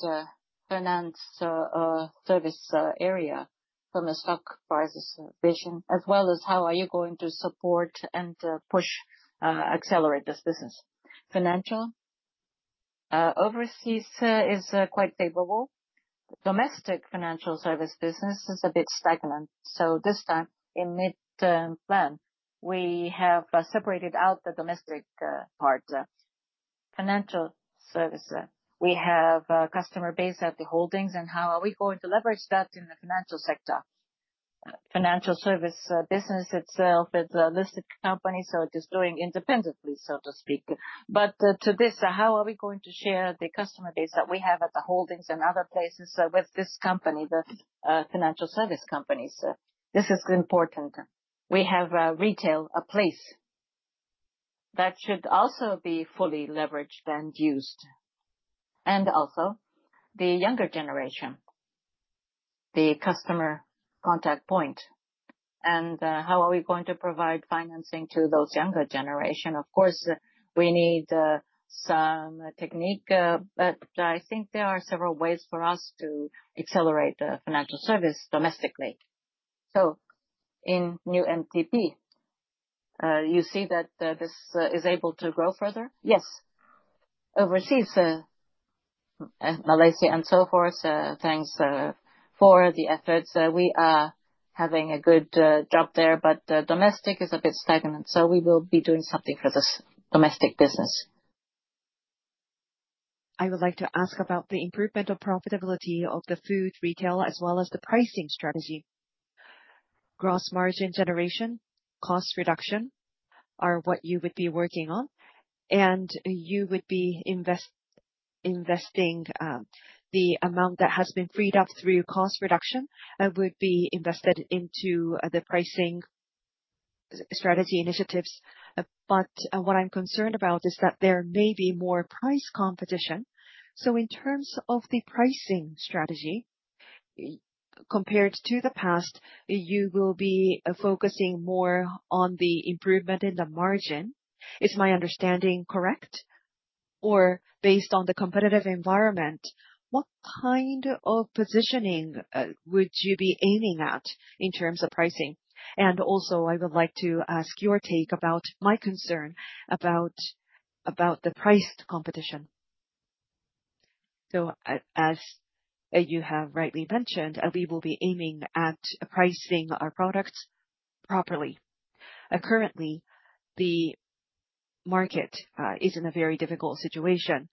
financial service area from a stock price vision as well as how are you going to support and push, accelerate this business? Financial overseas is quite favorable. Domestic financial service business is a bit stagnant. This time in midterm plan, we have separated out the domestic part. Financial service. We have a customer base at the holdings, and how are we going to leverage that in the financial sector? Financial service business itself is a listed company, so it is doing independently, so to speak. To this, how are we going to share the customer base that we have at the holdings and other places with this company, the financial service companies? This is important. We have a retail, a place that should also be fully leveraged and used. Also the younger generation, the customer contact point, and how are we going to provide financing to those younger generation? Of course, we need some technique, but I think there are several ways for us to accelerate the financial service domestically. In new MTP, you see that this is able to grow further? Yes. Overseas, Malaysia and so forth, thanks for the efforts. We are having a good job there. Domestic is a bit stagnant, we will be doing something for this domestic business. I would like to ask about the improvement of profitability of the food retail as well as the pricing strategy. Gross margin generation, cost reduction are what you would be working on. You would be investing the amount that has been freed up through cost reduction would be invested into the pricing strategy initiatives. What I'm concerned about is that there may be more price competition. In terms of the pricing strategy compared to the past, you will be focusing more on the improvement in the margin. Is my understanding correct? Based on the competitive environment, what kind of positioning would you be aiming at in terms of pricing? Also, I would like to ask your take about my concern about the price competition. As you have rightly mentioned, we will be aiming at pricing our products properly. Currently, the market is in a very difficult situation.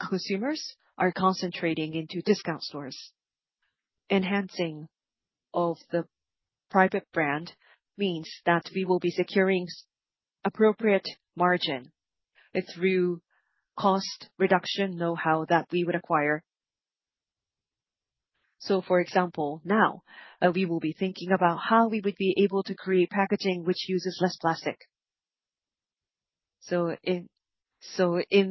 Consumers are concentrating into discount stores. Enhancing of the private brand means that we will be securing appropriate margin through cost reduction know-how that we would acquire. For example, now, we will be thinking about how we would be able to create packaging which uses less plastic. In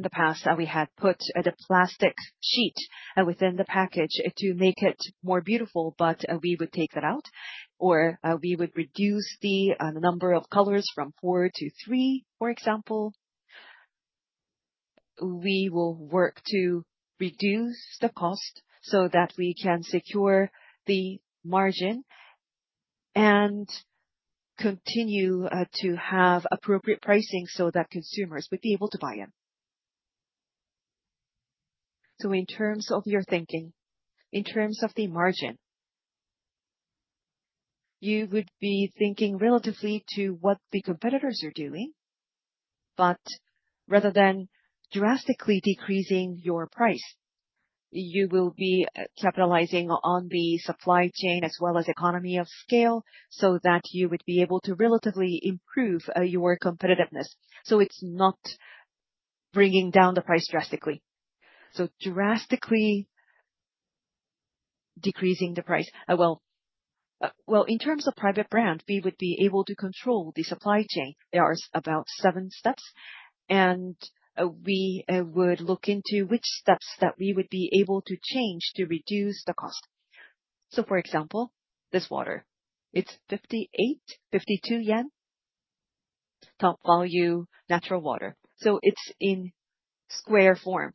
the past, we had put the plastic sheet within the package to make it more beautiful, but we would take that out, or we would reduce the number of colors from four to three, for example. We will work to reduce the cost so that we can secure the margin and continue to have appropriate pricing so that consumers would be able to buy in. In terms of your thinking, in terms of the margin, you would be thinking relatively to what the competitors are doing, but rather than drastically decreasing your price, you will be capitalizing on the supply chain as well as economy of scale so that you would be able to relatively improve your competitiveness. It's not bringing down the price drastically. Drastically decreasing the price. Well, in terms of private brand, we would be able to control the supply chain. There are about seven steps, and we would look into which steps that we would be able to change to reduce the cost. For example, this water, it's 58 yen, 52 yen, Topvalu natural water. It's in square form.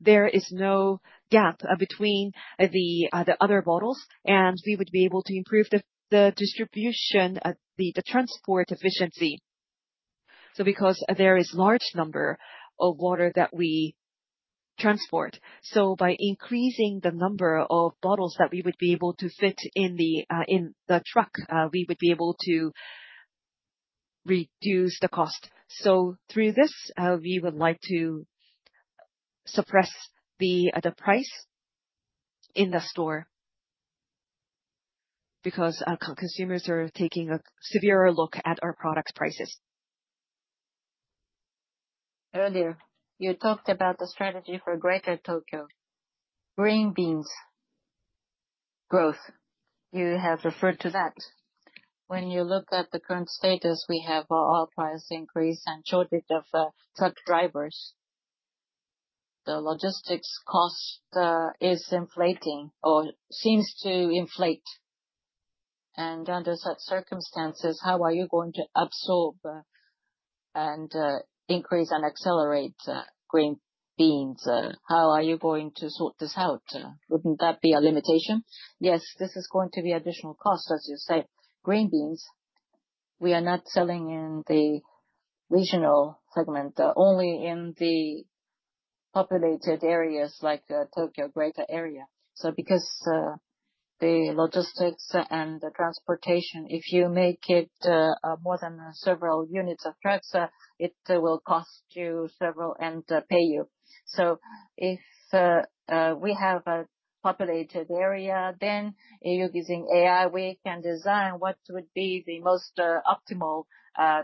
There is no gap between the other bottles, and we would be able to improve the distribution, the transport efficiency. Because there is large number of water that we transport. By increasing the number of bottles that we would be able to fit in the truck, we would be able to reduce the cost. Through this, we would like to suppress the price in the store because our consumers are taking a severer look at our products' prices. Earlier, you talked about the strategy for Greater Tokyo. Green Beans growth, you have referred to that. When you look at the current status, we have our oil price increase and shortage of truck drivers. The logistics cost is inflating or seems to inflate. Under such circumstances, how are you going to absorb and increase and accelerate Green Beans? How are you going to sort this out? Wouldn't that be a limitation? Yes, this is going to be additional cost, as you say. Green Beans, we are not selling in the regional segment, only in the populated areas like Tokyo Greater area. Because the logistics and the transportation, if you make it more than several units of trucks, it will cost you several and pay you. If we have a populated area, using AI, we can design what would be the most optimal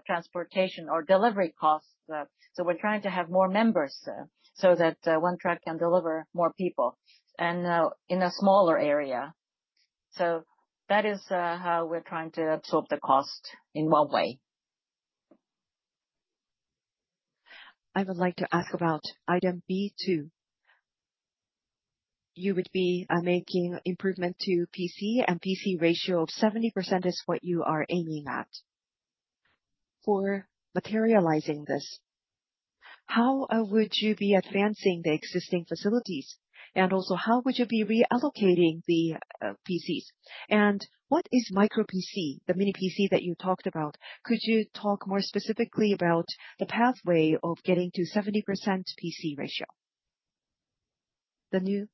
transportation or delivery costs. We're trying to have more members so that one truck can deliver more people and in a smaller area. That is how we're trying to absorb the cost in one way. I would like to ask about item B2. You would be making improvement to PC, and PC ratio of 70% is what you are aiming at. For materializing this, how would you be advancing the existing facilities? Also, how would you be reallocating the PCs? What is micro PC, the mini PC that you talked about? Could you talk more specifically about the pathway of getting to 70% PC ratio? The new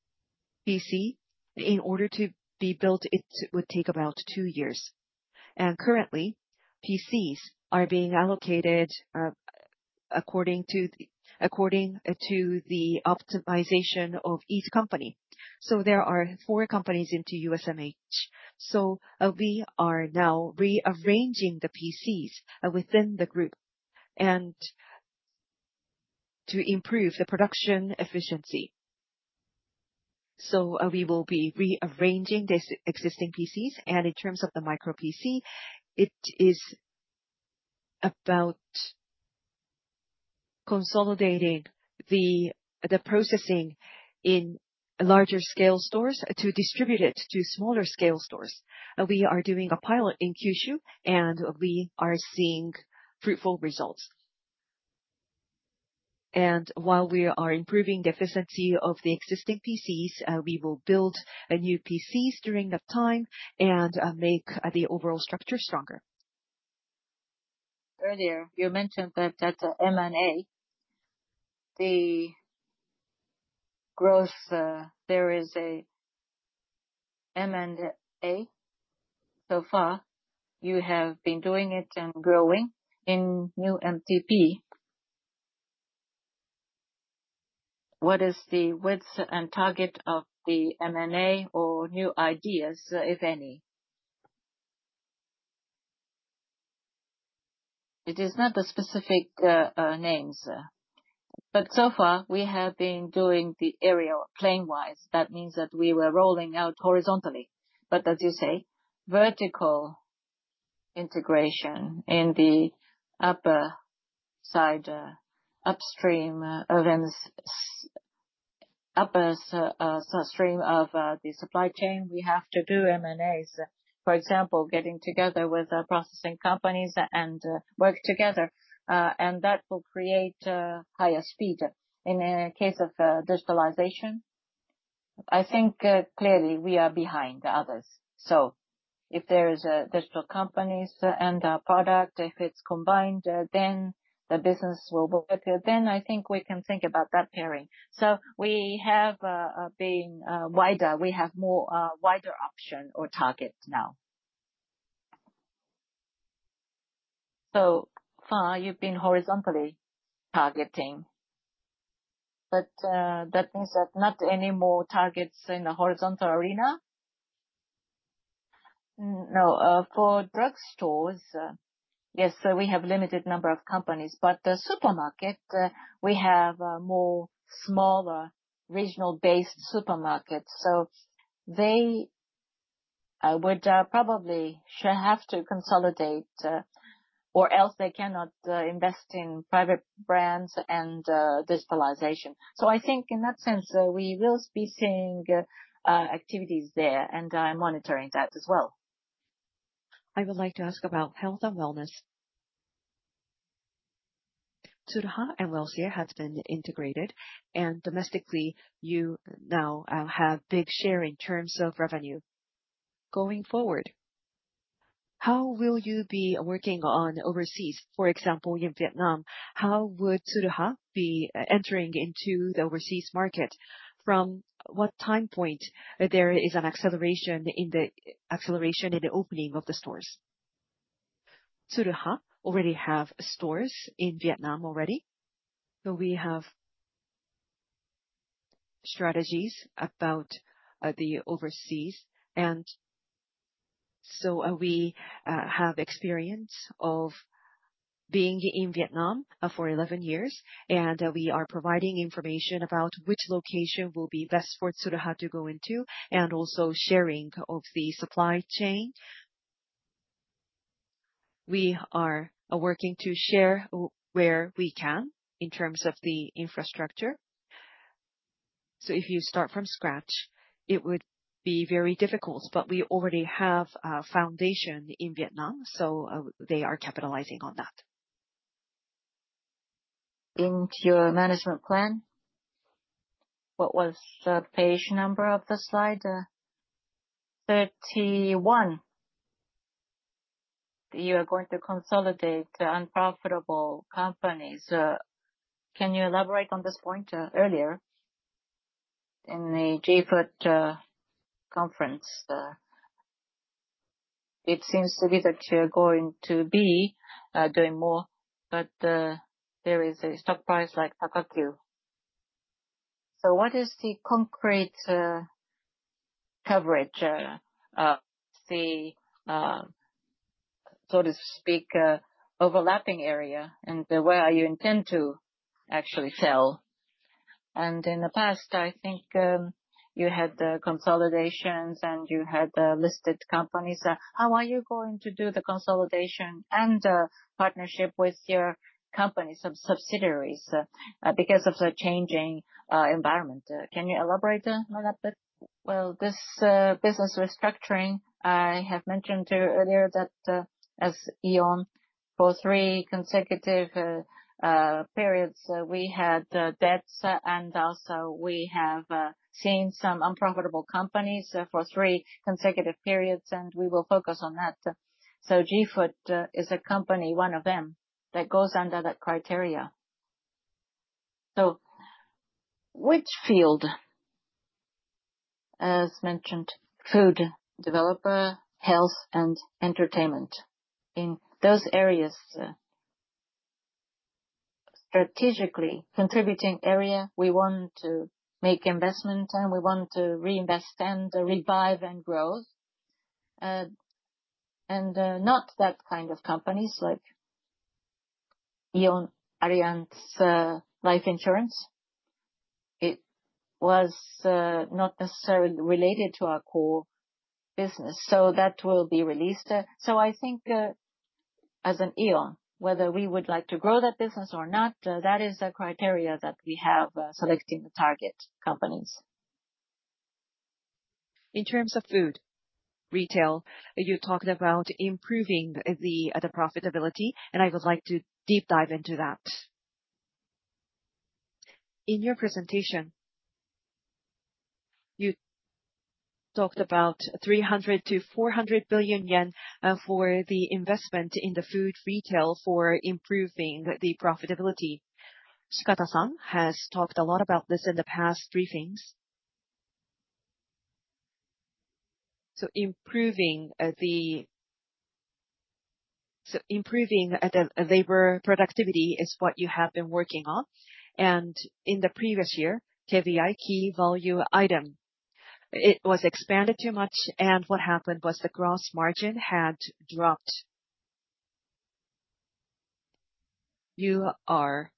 PC, in order to be built, it would take about 2 years. Currently, PCs are being allocated according to the optimization of each company. There are four companies into USMH. We are now rearranging the PCs within the group and to improve the production efficiency. We will be rearranging these existing PCs, and in terms of the micro PC, it is about consolidating the processing in larger scale stores to distribute it to smaller scale stores. We are doing a pilot in Kyushu, and we are seeing fruitful results. While we are improving the efficiency of the existing PCs, we will build new PCs during that time and make the overall structure stronger. Earlier, you mentioned that M&A, the growth, there is a M&A so far, you have been doing it and growing in New MTP. What is the width and target of the M&A or new ideas, if any? It is not the specific names. So far, we have been doing the area plane-wise. That means that we were rolling out horizontally. As you say, vertical integration in the upper side, upstream events Upstream of the supply chain, we have to do M&As. For example, getting together with processing companies and work together, and that will create higher speed. In the case of digitalization, I think clearly we are behind the others. If there is digital companies and product, if it's combined, then the business will work. I think we can think about that pairing. We have been wider. We have more wider option or targets now. So far you've been horizontally targeting. That means that not any more targets in the horizontal arena? No. For drugstores, yes, we have limited number of companies. The supermarket, we have more smaller, regional-based supermarkets. They would probably have to consolidate or else they cannot invest in private brands and digitalization. I think in that sense, we will be seeing activities there, and I'm monitoring that as well. I would like to ask about health and wellness. Tsuruha and Welcia has been integrated and domestically, you now have big share in terms of revenue. Going forward, how will you be working on overseas? For example, in Vietnam, how would Tsuruha be entering into the overseas market? From what time point there is an acceleration in the opening of the stores? Tsuruha already have stores in Vietnam already. We have strategies about the overseas. We have experience of being in Vietnam for 11 years, and we are providing information about which location will be best for Tsuruha to go into and also sharing of the supply chain. We are working to share where we can in terms of the infrastructure. If you start from scratch, it would be very difficult, but we already have a foundation in Vietnam, so they are capitalizing on that. Into your management plan. What was the page number of the slide? 31. You are going to consolidate the unprofitable companies. Can you elaborate on this point earlier in the G-Foot conference? It seems to be that you're going to be doing more, but there is a stock price like Tokyu. What is the concrete coverage of the, so to speak, overlapping area and where you intend to actually sell? In the past, I think you had the consolidations and you had the listed companies. How are you going to do the consolidation and partnership with your companies of subsidiaries because of the changing environment? Well, this business restructuring, I have mentioned earlier that as Aeon, for three consecutive periods, we had debts and also we have seen some unprofitable companies for three consecutive periods, and we will focus on that. G-Foot is a company, one of them, that goes under that criteria. Which field, as mentioned, food developer, health and entertainment. In those areas, strategically contributing area, we want to make investment and we want to reinvest and revive and grow. Not that kind of companies like AEON Allianz Life Insurance. It was not necessarily related to our core business, so that will be released. I think as an Aeon, whether we would like to grow that business or not, that is a criteria that we have selecting the target companies. In terms of food retail, you talked about improving the profitability, and I would like to deep dive into that. In your presentation, you talked about 300 billion to 400 billion yen for the investment in the food retail for improving the profitability. Shikata-san has talked a lot about this in the past briefings. Improving the labor productivity is what you have been working on, and in the previous year, KVI, key value item, it was expanded too much and what happened was the gross margin had dropped. You are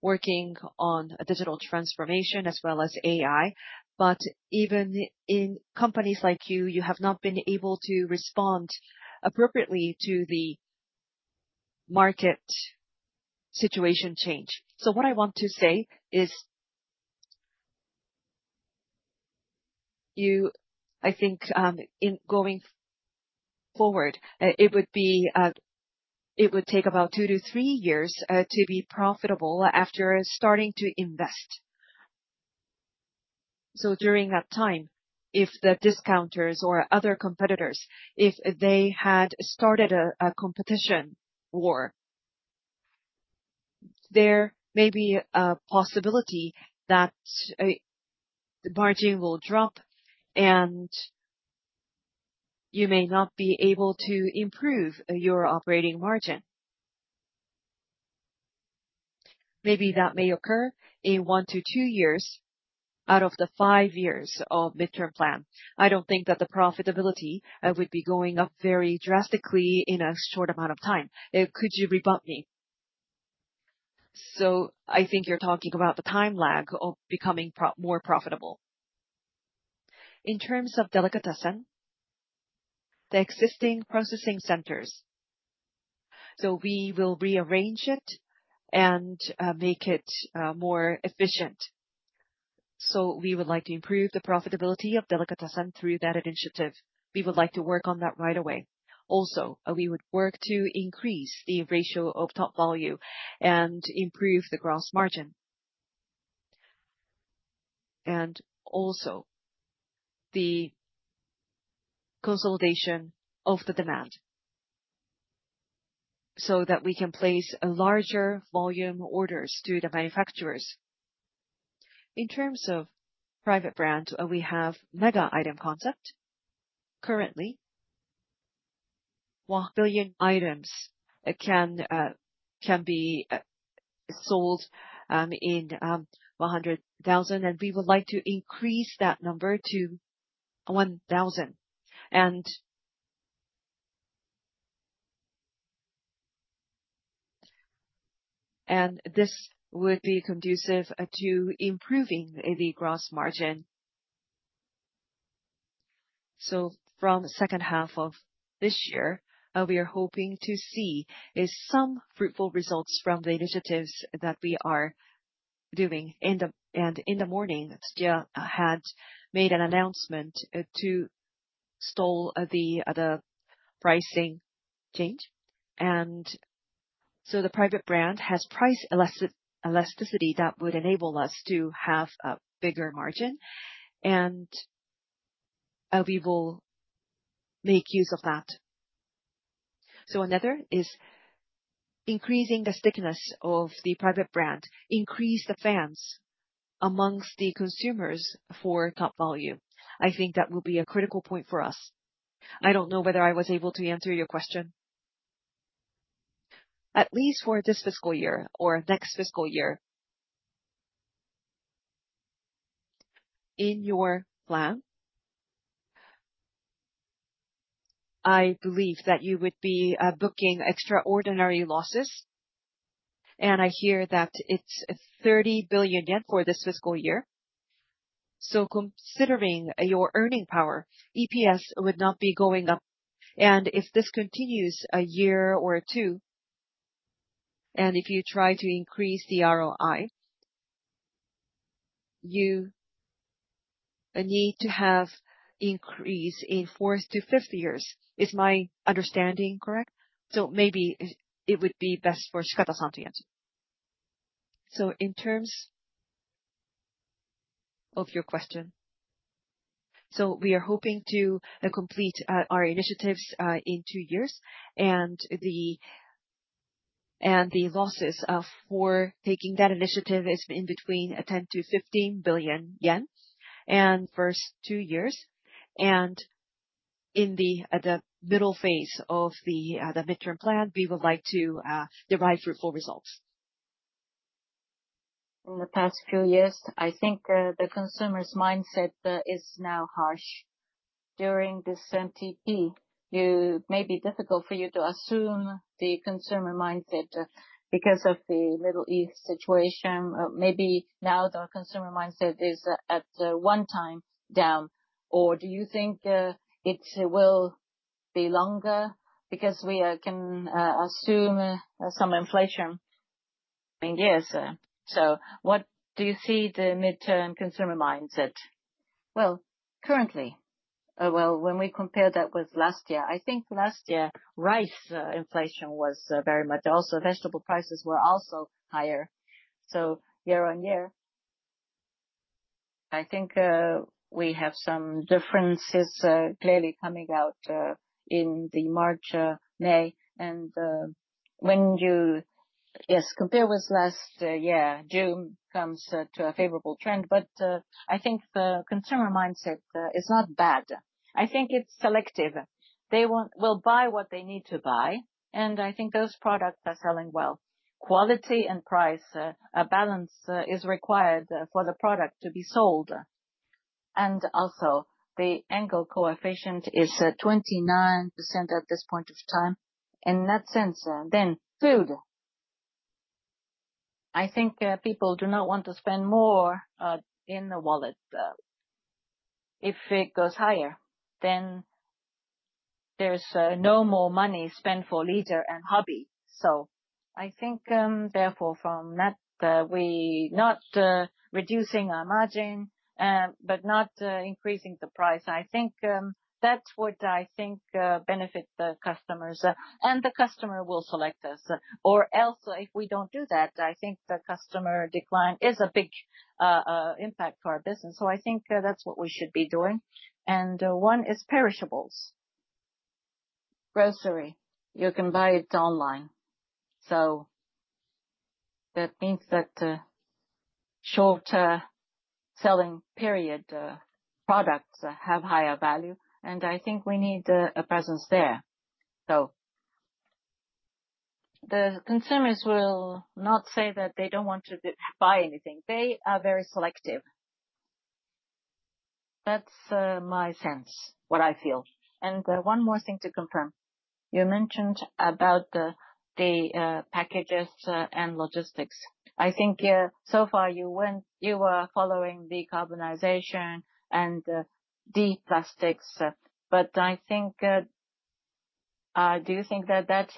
working on a digital transformation as well as AI. Even in companies like you have not been able to respond appropriately to the Market situation change. What I want to say is, I think in going forward, it would take about two to three years to be profitable after starting to invest. During that time, if the discounters or other competitors, if they had started a competition war, there may be a possibility that the margin will drop and you may not be able to improve your operating margin. Maybe that may occur in one to two years out of the five years of midterm plan. I don't think that the profitability would be going up very drastically in a short amount of time. Could you rebut me? I think you're talking about the time lag of becoming more profitable. In terms of delicatessen, the existing processing centers. We will rearrange it and make it more efficient. We would like to improve the profitability of delicatessen through that initiative. We would like to work on that right away. We would work to increase the ratio of Topvalu and improve the gross margin. The consolidation of the demand so that we can place larger volume orders to the manufacturers. In terms of private brand, we have mega item concept. Currently, 1 billion items can be sold in 100,000, and we would like to increase that number to 1,000. This would be conducive to improving the gross margin. From second half of this year, we are hoping to see some fruitful results from the initiatives that we are doing. In the morning, Tsutaya had made an announcement to stall the pricing change. The private brand has price elasticity that would enable us to have a bigger margin, and we will make use of that. Another is increasing the stickiness of the private brand, increase the fans amongst the consumers for Topvalu. I think that will be a critical point for us. I don't know whether I was able to answer your question. At least for this fiscal year or next fiscal year, in your plan, I believe that you would be booking extraordinary losses, and I hear that it's 30 billion yen for this fiscal year. Considering your earning power, EPS would not be going up. If this continues a year or two, and if you try to increase the ROI, you need to have increase in fourth to fifth years. Is my understanding correct? Maybe it would be best for Shikata-san to answer. In terms of your question. We are hoping to complete our initiatives in two years, and the losses for taking that initiative is in between 10 billion-15 billion yen in first two years. In the middle phase of the midterm plan, we would like to derive fruitful results. In the past few years, I think the consumer's mindset is now harsh. During this MTP, it may be difficult for you to assume the consumer mindset because of the Middle East situation. Maybe now the consumer mindset is at one time down. Do you think it will be longer because we can assume some inflation in years? What do you see the midterm consumer mindset? Well, currently, when we compare that with last year, I think last year rice inflation was very much, also vegetable prices were also higher. Year-on-year, I think we have some differences clearly coming out in the March, May. When you, yes, compare with last year, June comes to a favorable trend. I think the consumer mindset is not bad. I think it's selective. They will buy what they need to buy. I think those products are selling well. Quality and price balance is required for the product to be sold. The Engel coefficient is 29% at this point of time. In that sense, food I think people do not want to spend more in the wallet. If it goes higher, then there's no more money spent for leisure and hobby. I think, therefore, from that, we're not reducing our margin, but not increasing the price. I think that's what benefits the customers. The customer will select us. If we don't do that, I think the customer decline is a big impact to our business. I think that's what we should be doing. One is perishables. Grocery, you can buy it online. That means that shorter selling period products have higher value. I think we need a presence there. The consumers will not say that they don't want to buy anything. They are very selective. That's my sense, what I feel. One more thing to confirm. You mentioned about the packages and logistics. I think so far you were following decarbonization and deplastics. Do you think that that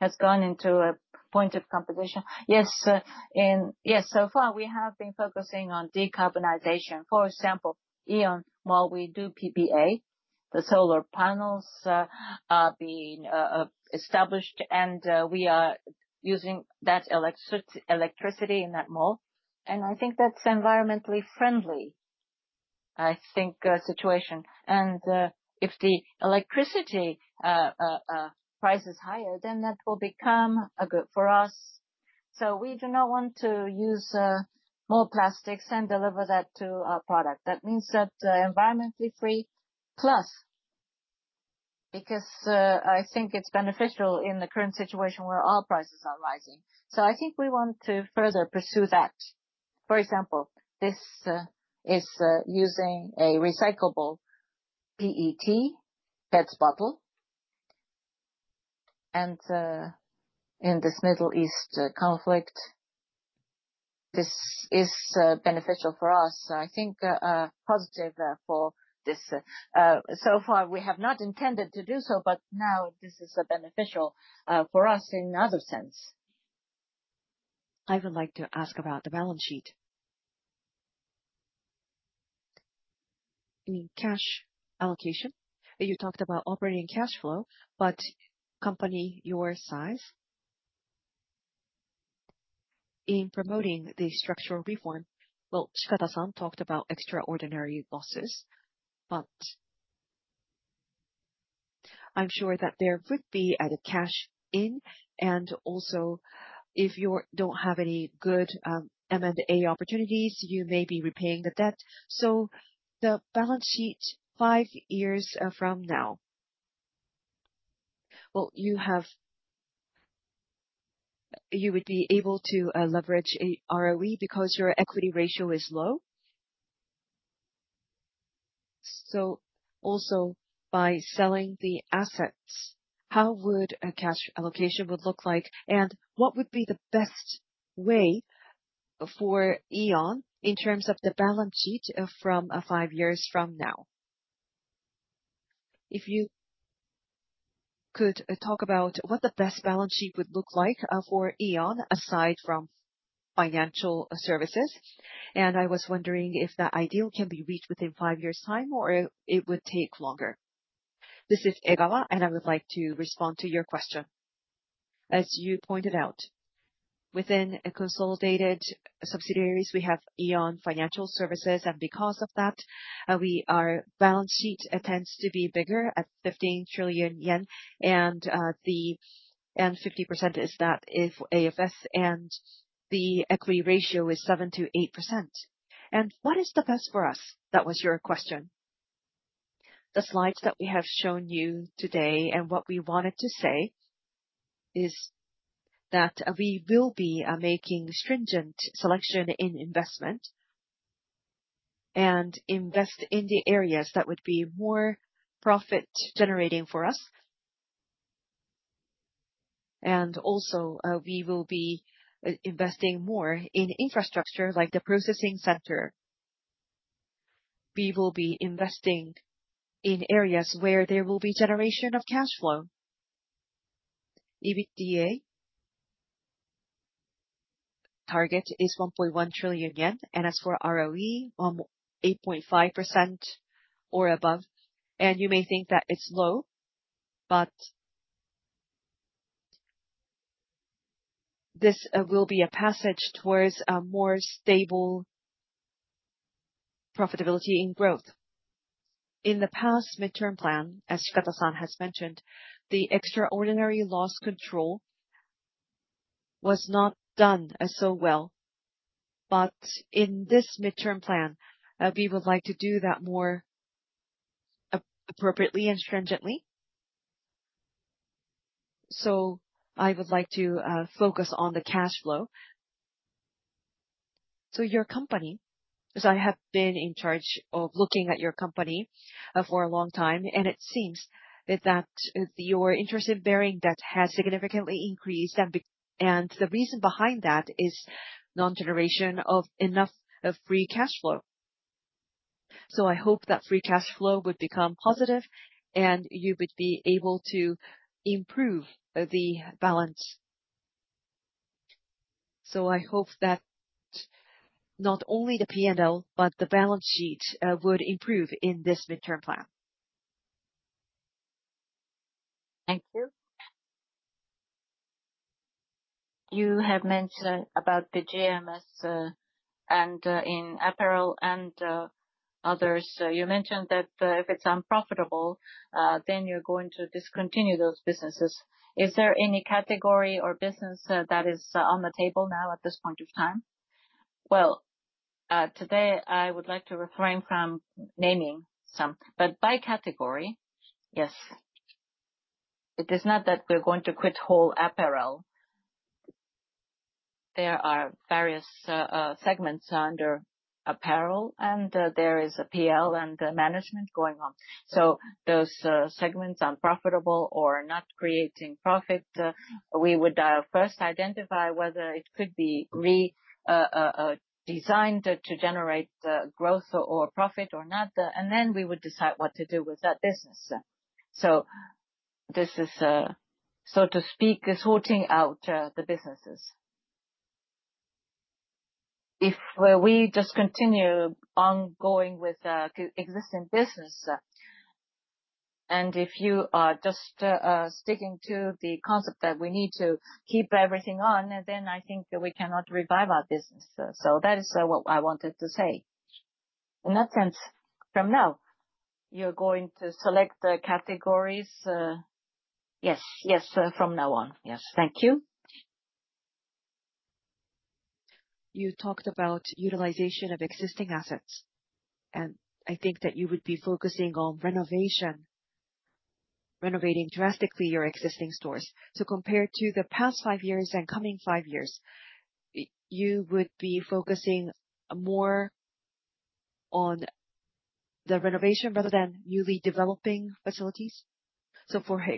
has gone into a point of competition? Yes. So far, we have been focusing on decarbonization. For example, Aeon Mall, we do PPA. The solar panels are being established, and we are using that electricity in that mall. I think that's environmentally friendly, I think, situation. If the electricity price is higher, then that will become good for us. We do not want to use more plastics and deliver that to a product. That means that environmentally free, plus, because I think it's beneficial in the current situation where oil prices are rising. I think we want to further pursue that. For example, this is using a recyclable PET's bottle. In this Middle East conflict, this is beneficial for us. I think, positive for this. Far, we have not intended to do so, but now this is beneficial for us in another sense. I would like to ask about the balance sheet. In cash allocation, you talked about operating cash flow, Company your size, in promoting the structural reform, Shikata-san talked about extraordinary losses. I'm sure that there would be added cash in, and also, if you don't have any good M&A opportunities, you may be repaying the debt. The balance sheet 5 years from now. You would be able to leverage ROE because your equity ratio is low. Also by selling the assets, how would a cash allocation would look like? And what would be the best way for Aeon in terms of the balance sheet from 5 years from now? If you could talk about what the best balance sheet would look like for Aeon, aside from financial services. I was wondering if the ideal can be reached within 5 years' time, or it would take longer. This is Egawa. I would like to respond to your question. As you pointed out, within consolidated subsidiaries, we have Aeon Financial Services, and because of that, our balance sheet tends to be bigger at 15 trillion yen. 50% is that of AFS and the equity ratio is 7%-8%. What is the best for us? That was your question. The slides that we have shown you today and what we wanted to say is that we will be making stringent selection in investment and invest in the areas that would be more profit-generating for us. Also, we will be investing more in infrastructure like the processing center. We will be investing in areas where there will be generation of cash flow. EBITDA target is 1.1 trillion yen. As for ROE, 8.5% or above. You may think that it's low, but this will be a passage towards a more stable profitability in growth. In the past midterm plan, as Shikata-san has mentioned, the extraordinary loss control was not done so well. In this midterm plan, we would like to do that more appropriately and stringently. I would like to focus on the cash flow. Your company, I have been in charge of looking at your company for a long time, and it seems that your interest-bearing debt has significantly increased, and the reason behind that is non-generation of enough free cash flow. I hope that free cash flow would become positive and you would be able to improve the balance. I hope that not only the P&L, but the balance sheet would improve in this midterm plan. Thank you. You have mentioned about the GMS and in apparel and others. You mentioned that if it's unprofitable, then you're going to discontinue those businesses. Is there any category or business that is on the table now at this point of time? Well, today I would like to refrain from naming some, but by category, yes. It is not that we're going to quit whole apparel. There are various segments under apparel, and there is a P&L and management going on. Those segments aren't profitable or not creating profit. We would first identify whether it could be redesigned to generate growth or profit or not, and then we would decide what to do with that business. This is, so to speak, sorting out the businesses. If we just continue ongoing with existing business, and if you are just sticking to the concept that we need to keep everything on, then I think we cannot revive our business. That is what I wanted to say. In that sense, from now, you're going to select the categories? Yes. From now on. Yes. Thank you. You talked about utilization of existing assets. I think that you would be focusing on renovation, renovating drastically your existing stores. Compared to the past 5 years and coming 5 years, you would be focusing more on the renovation rather than newly developing facilities.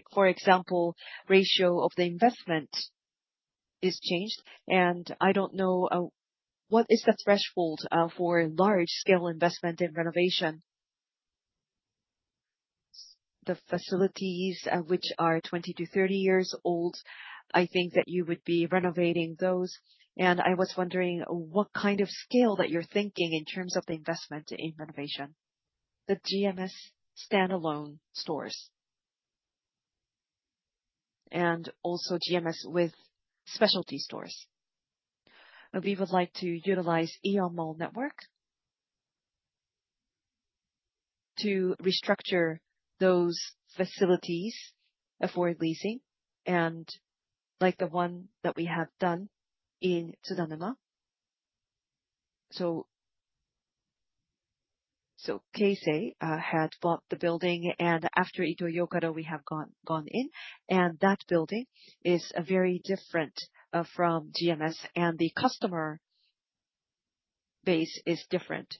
For example, ratio of the investment is changed. What is the threshold for large scale investment in renovation? The facilities which are 20-30 years old, I think that you would be renovating those, and I was wondering what kind of scale that you're thinking in terms of the investment in renovation. The GMS standalone stores. Also GMS with specialty stores. We would like to utilize Aeon Mall network to restructure those facilities for leasing and like the one that we have done in Tsudanuma. Keisei had bought the building and after Ito-Yokado, we have gone in, and that building is very different from GMS, and the customer base is different.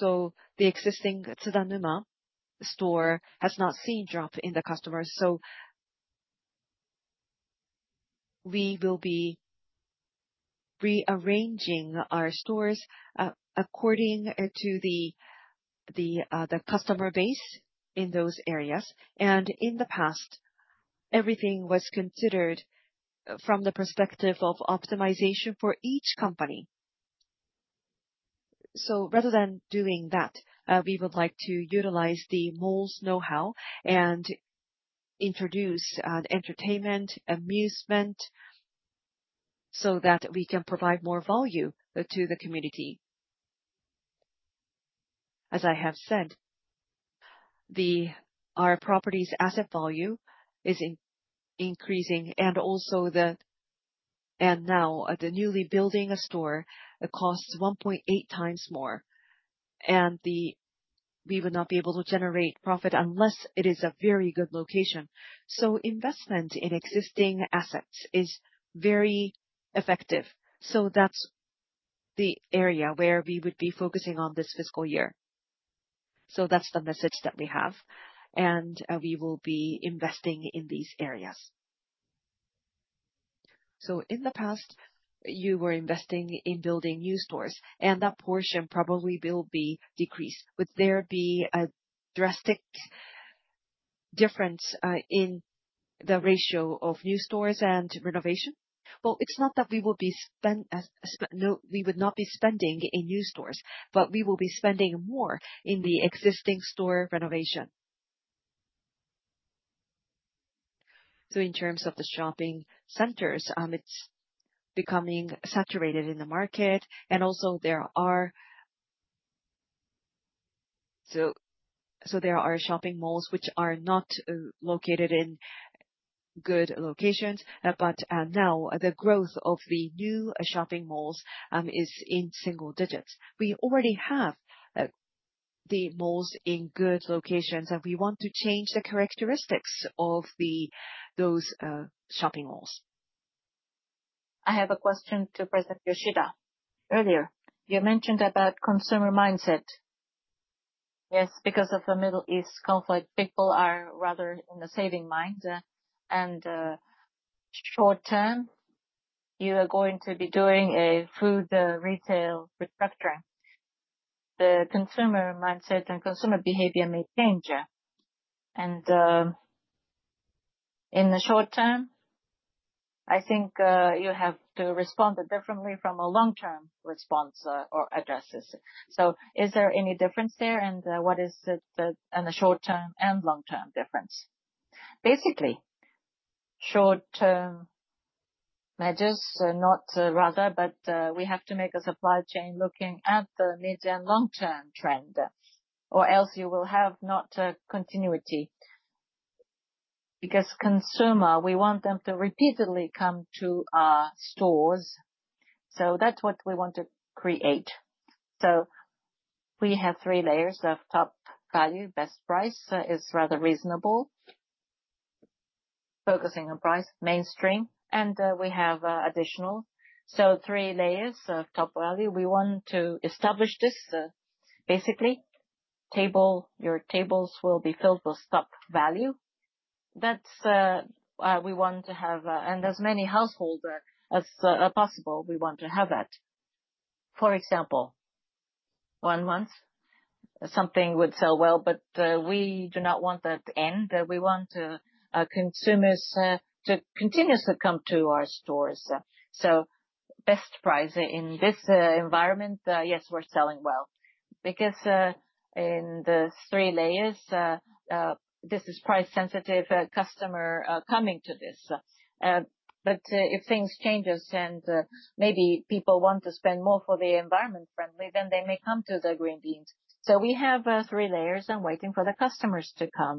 The existing Tsudanuma store has not seen drop in the customers, so we will be rearranging our stores according to the customer base in those areas. In the past, everything was considered from the perspective of optimization for each company. Rather than doing that, we would like to utilize the mall's knowhow and introduce entertainment, amusement, so that we can provide more value to the community. As I have said, our property's asset value is increasing and now the newly building a store costs 1.8 times more, and we would not be able to generate profit unless it is a very good location. Investment in existing assets is very effective. That's the area where we would be focusing on this fiscal year. That's the message that we have, and we will be investing in these areas. In the past, you were investing in building new stores, and that portion probably will be decreased. Would there be a drastic difference in the ratio of new stores and renovation? Well, it's not that we would not be spending in new stores, but we will be spending more in the existing store renovation. In terms of the shopping centers, it's becoming saturated in the market, and also there are shopping malls which are not located in good locations. Now the growth of the new shopping malls is in single-digits. We already have The malls in good locations, we want to change the characteristics of those shopping malls. I have a question to President Yoshida. Earlier, you mentioned about consumer mindset. Yes. Because of the Middle East conflict, people are rather in the saving mind. Short term, you are going to be doing a food retail restructuring. The consumer mindset and consumer behavior may change. In the short term, I think you have to respond differently from a long-term response or addresses. Is there any difference there? What is the short-term and long-term difference? Basically, short-term measures not rather, but we have to make a supply chain looking at the mid and long-term trend, or else you will have not continuity. Because consumer, we want them to repeatedly come to our stores. That's what we want to create. We have three layers of Topvalu. Best price is rather reasonable, focusing on price, mainstream, and we have additional. Three layers of Topvalu. We want to establish this. Basically, your tables will be filled with Topvalu. That's why we want to have, and as many households as possible, we want to have that. For example, one month something would sell well, but we do not want that to end. We want consumers to continuously come to our stores. Best price in this environment, yes, we're selling well because in the three layers, this is price-sensitive customer coming to this. If things changes and maybe people want to spend more for the environment-friendly, then they may come to the Green Beans. We have three layers and waiting for the customers to come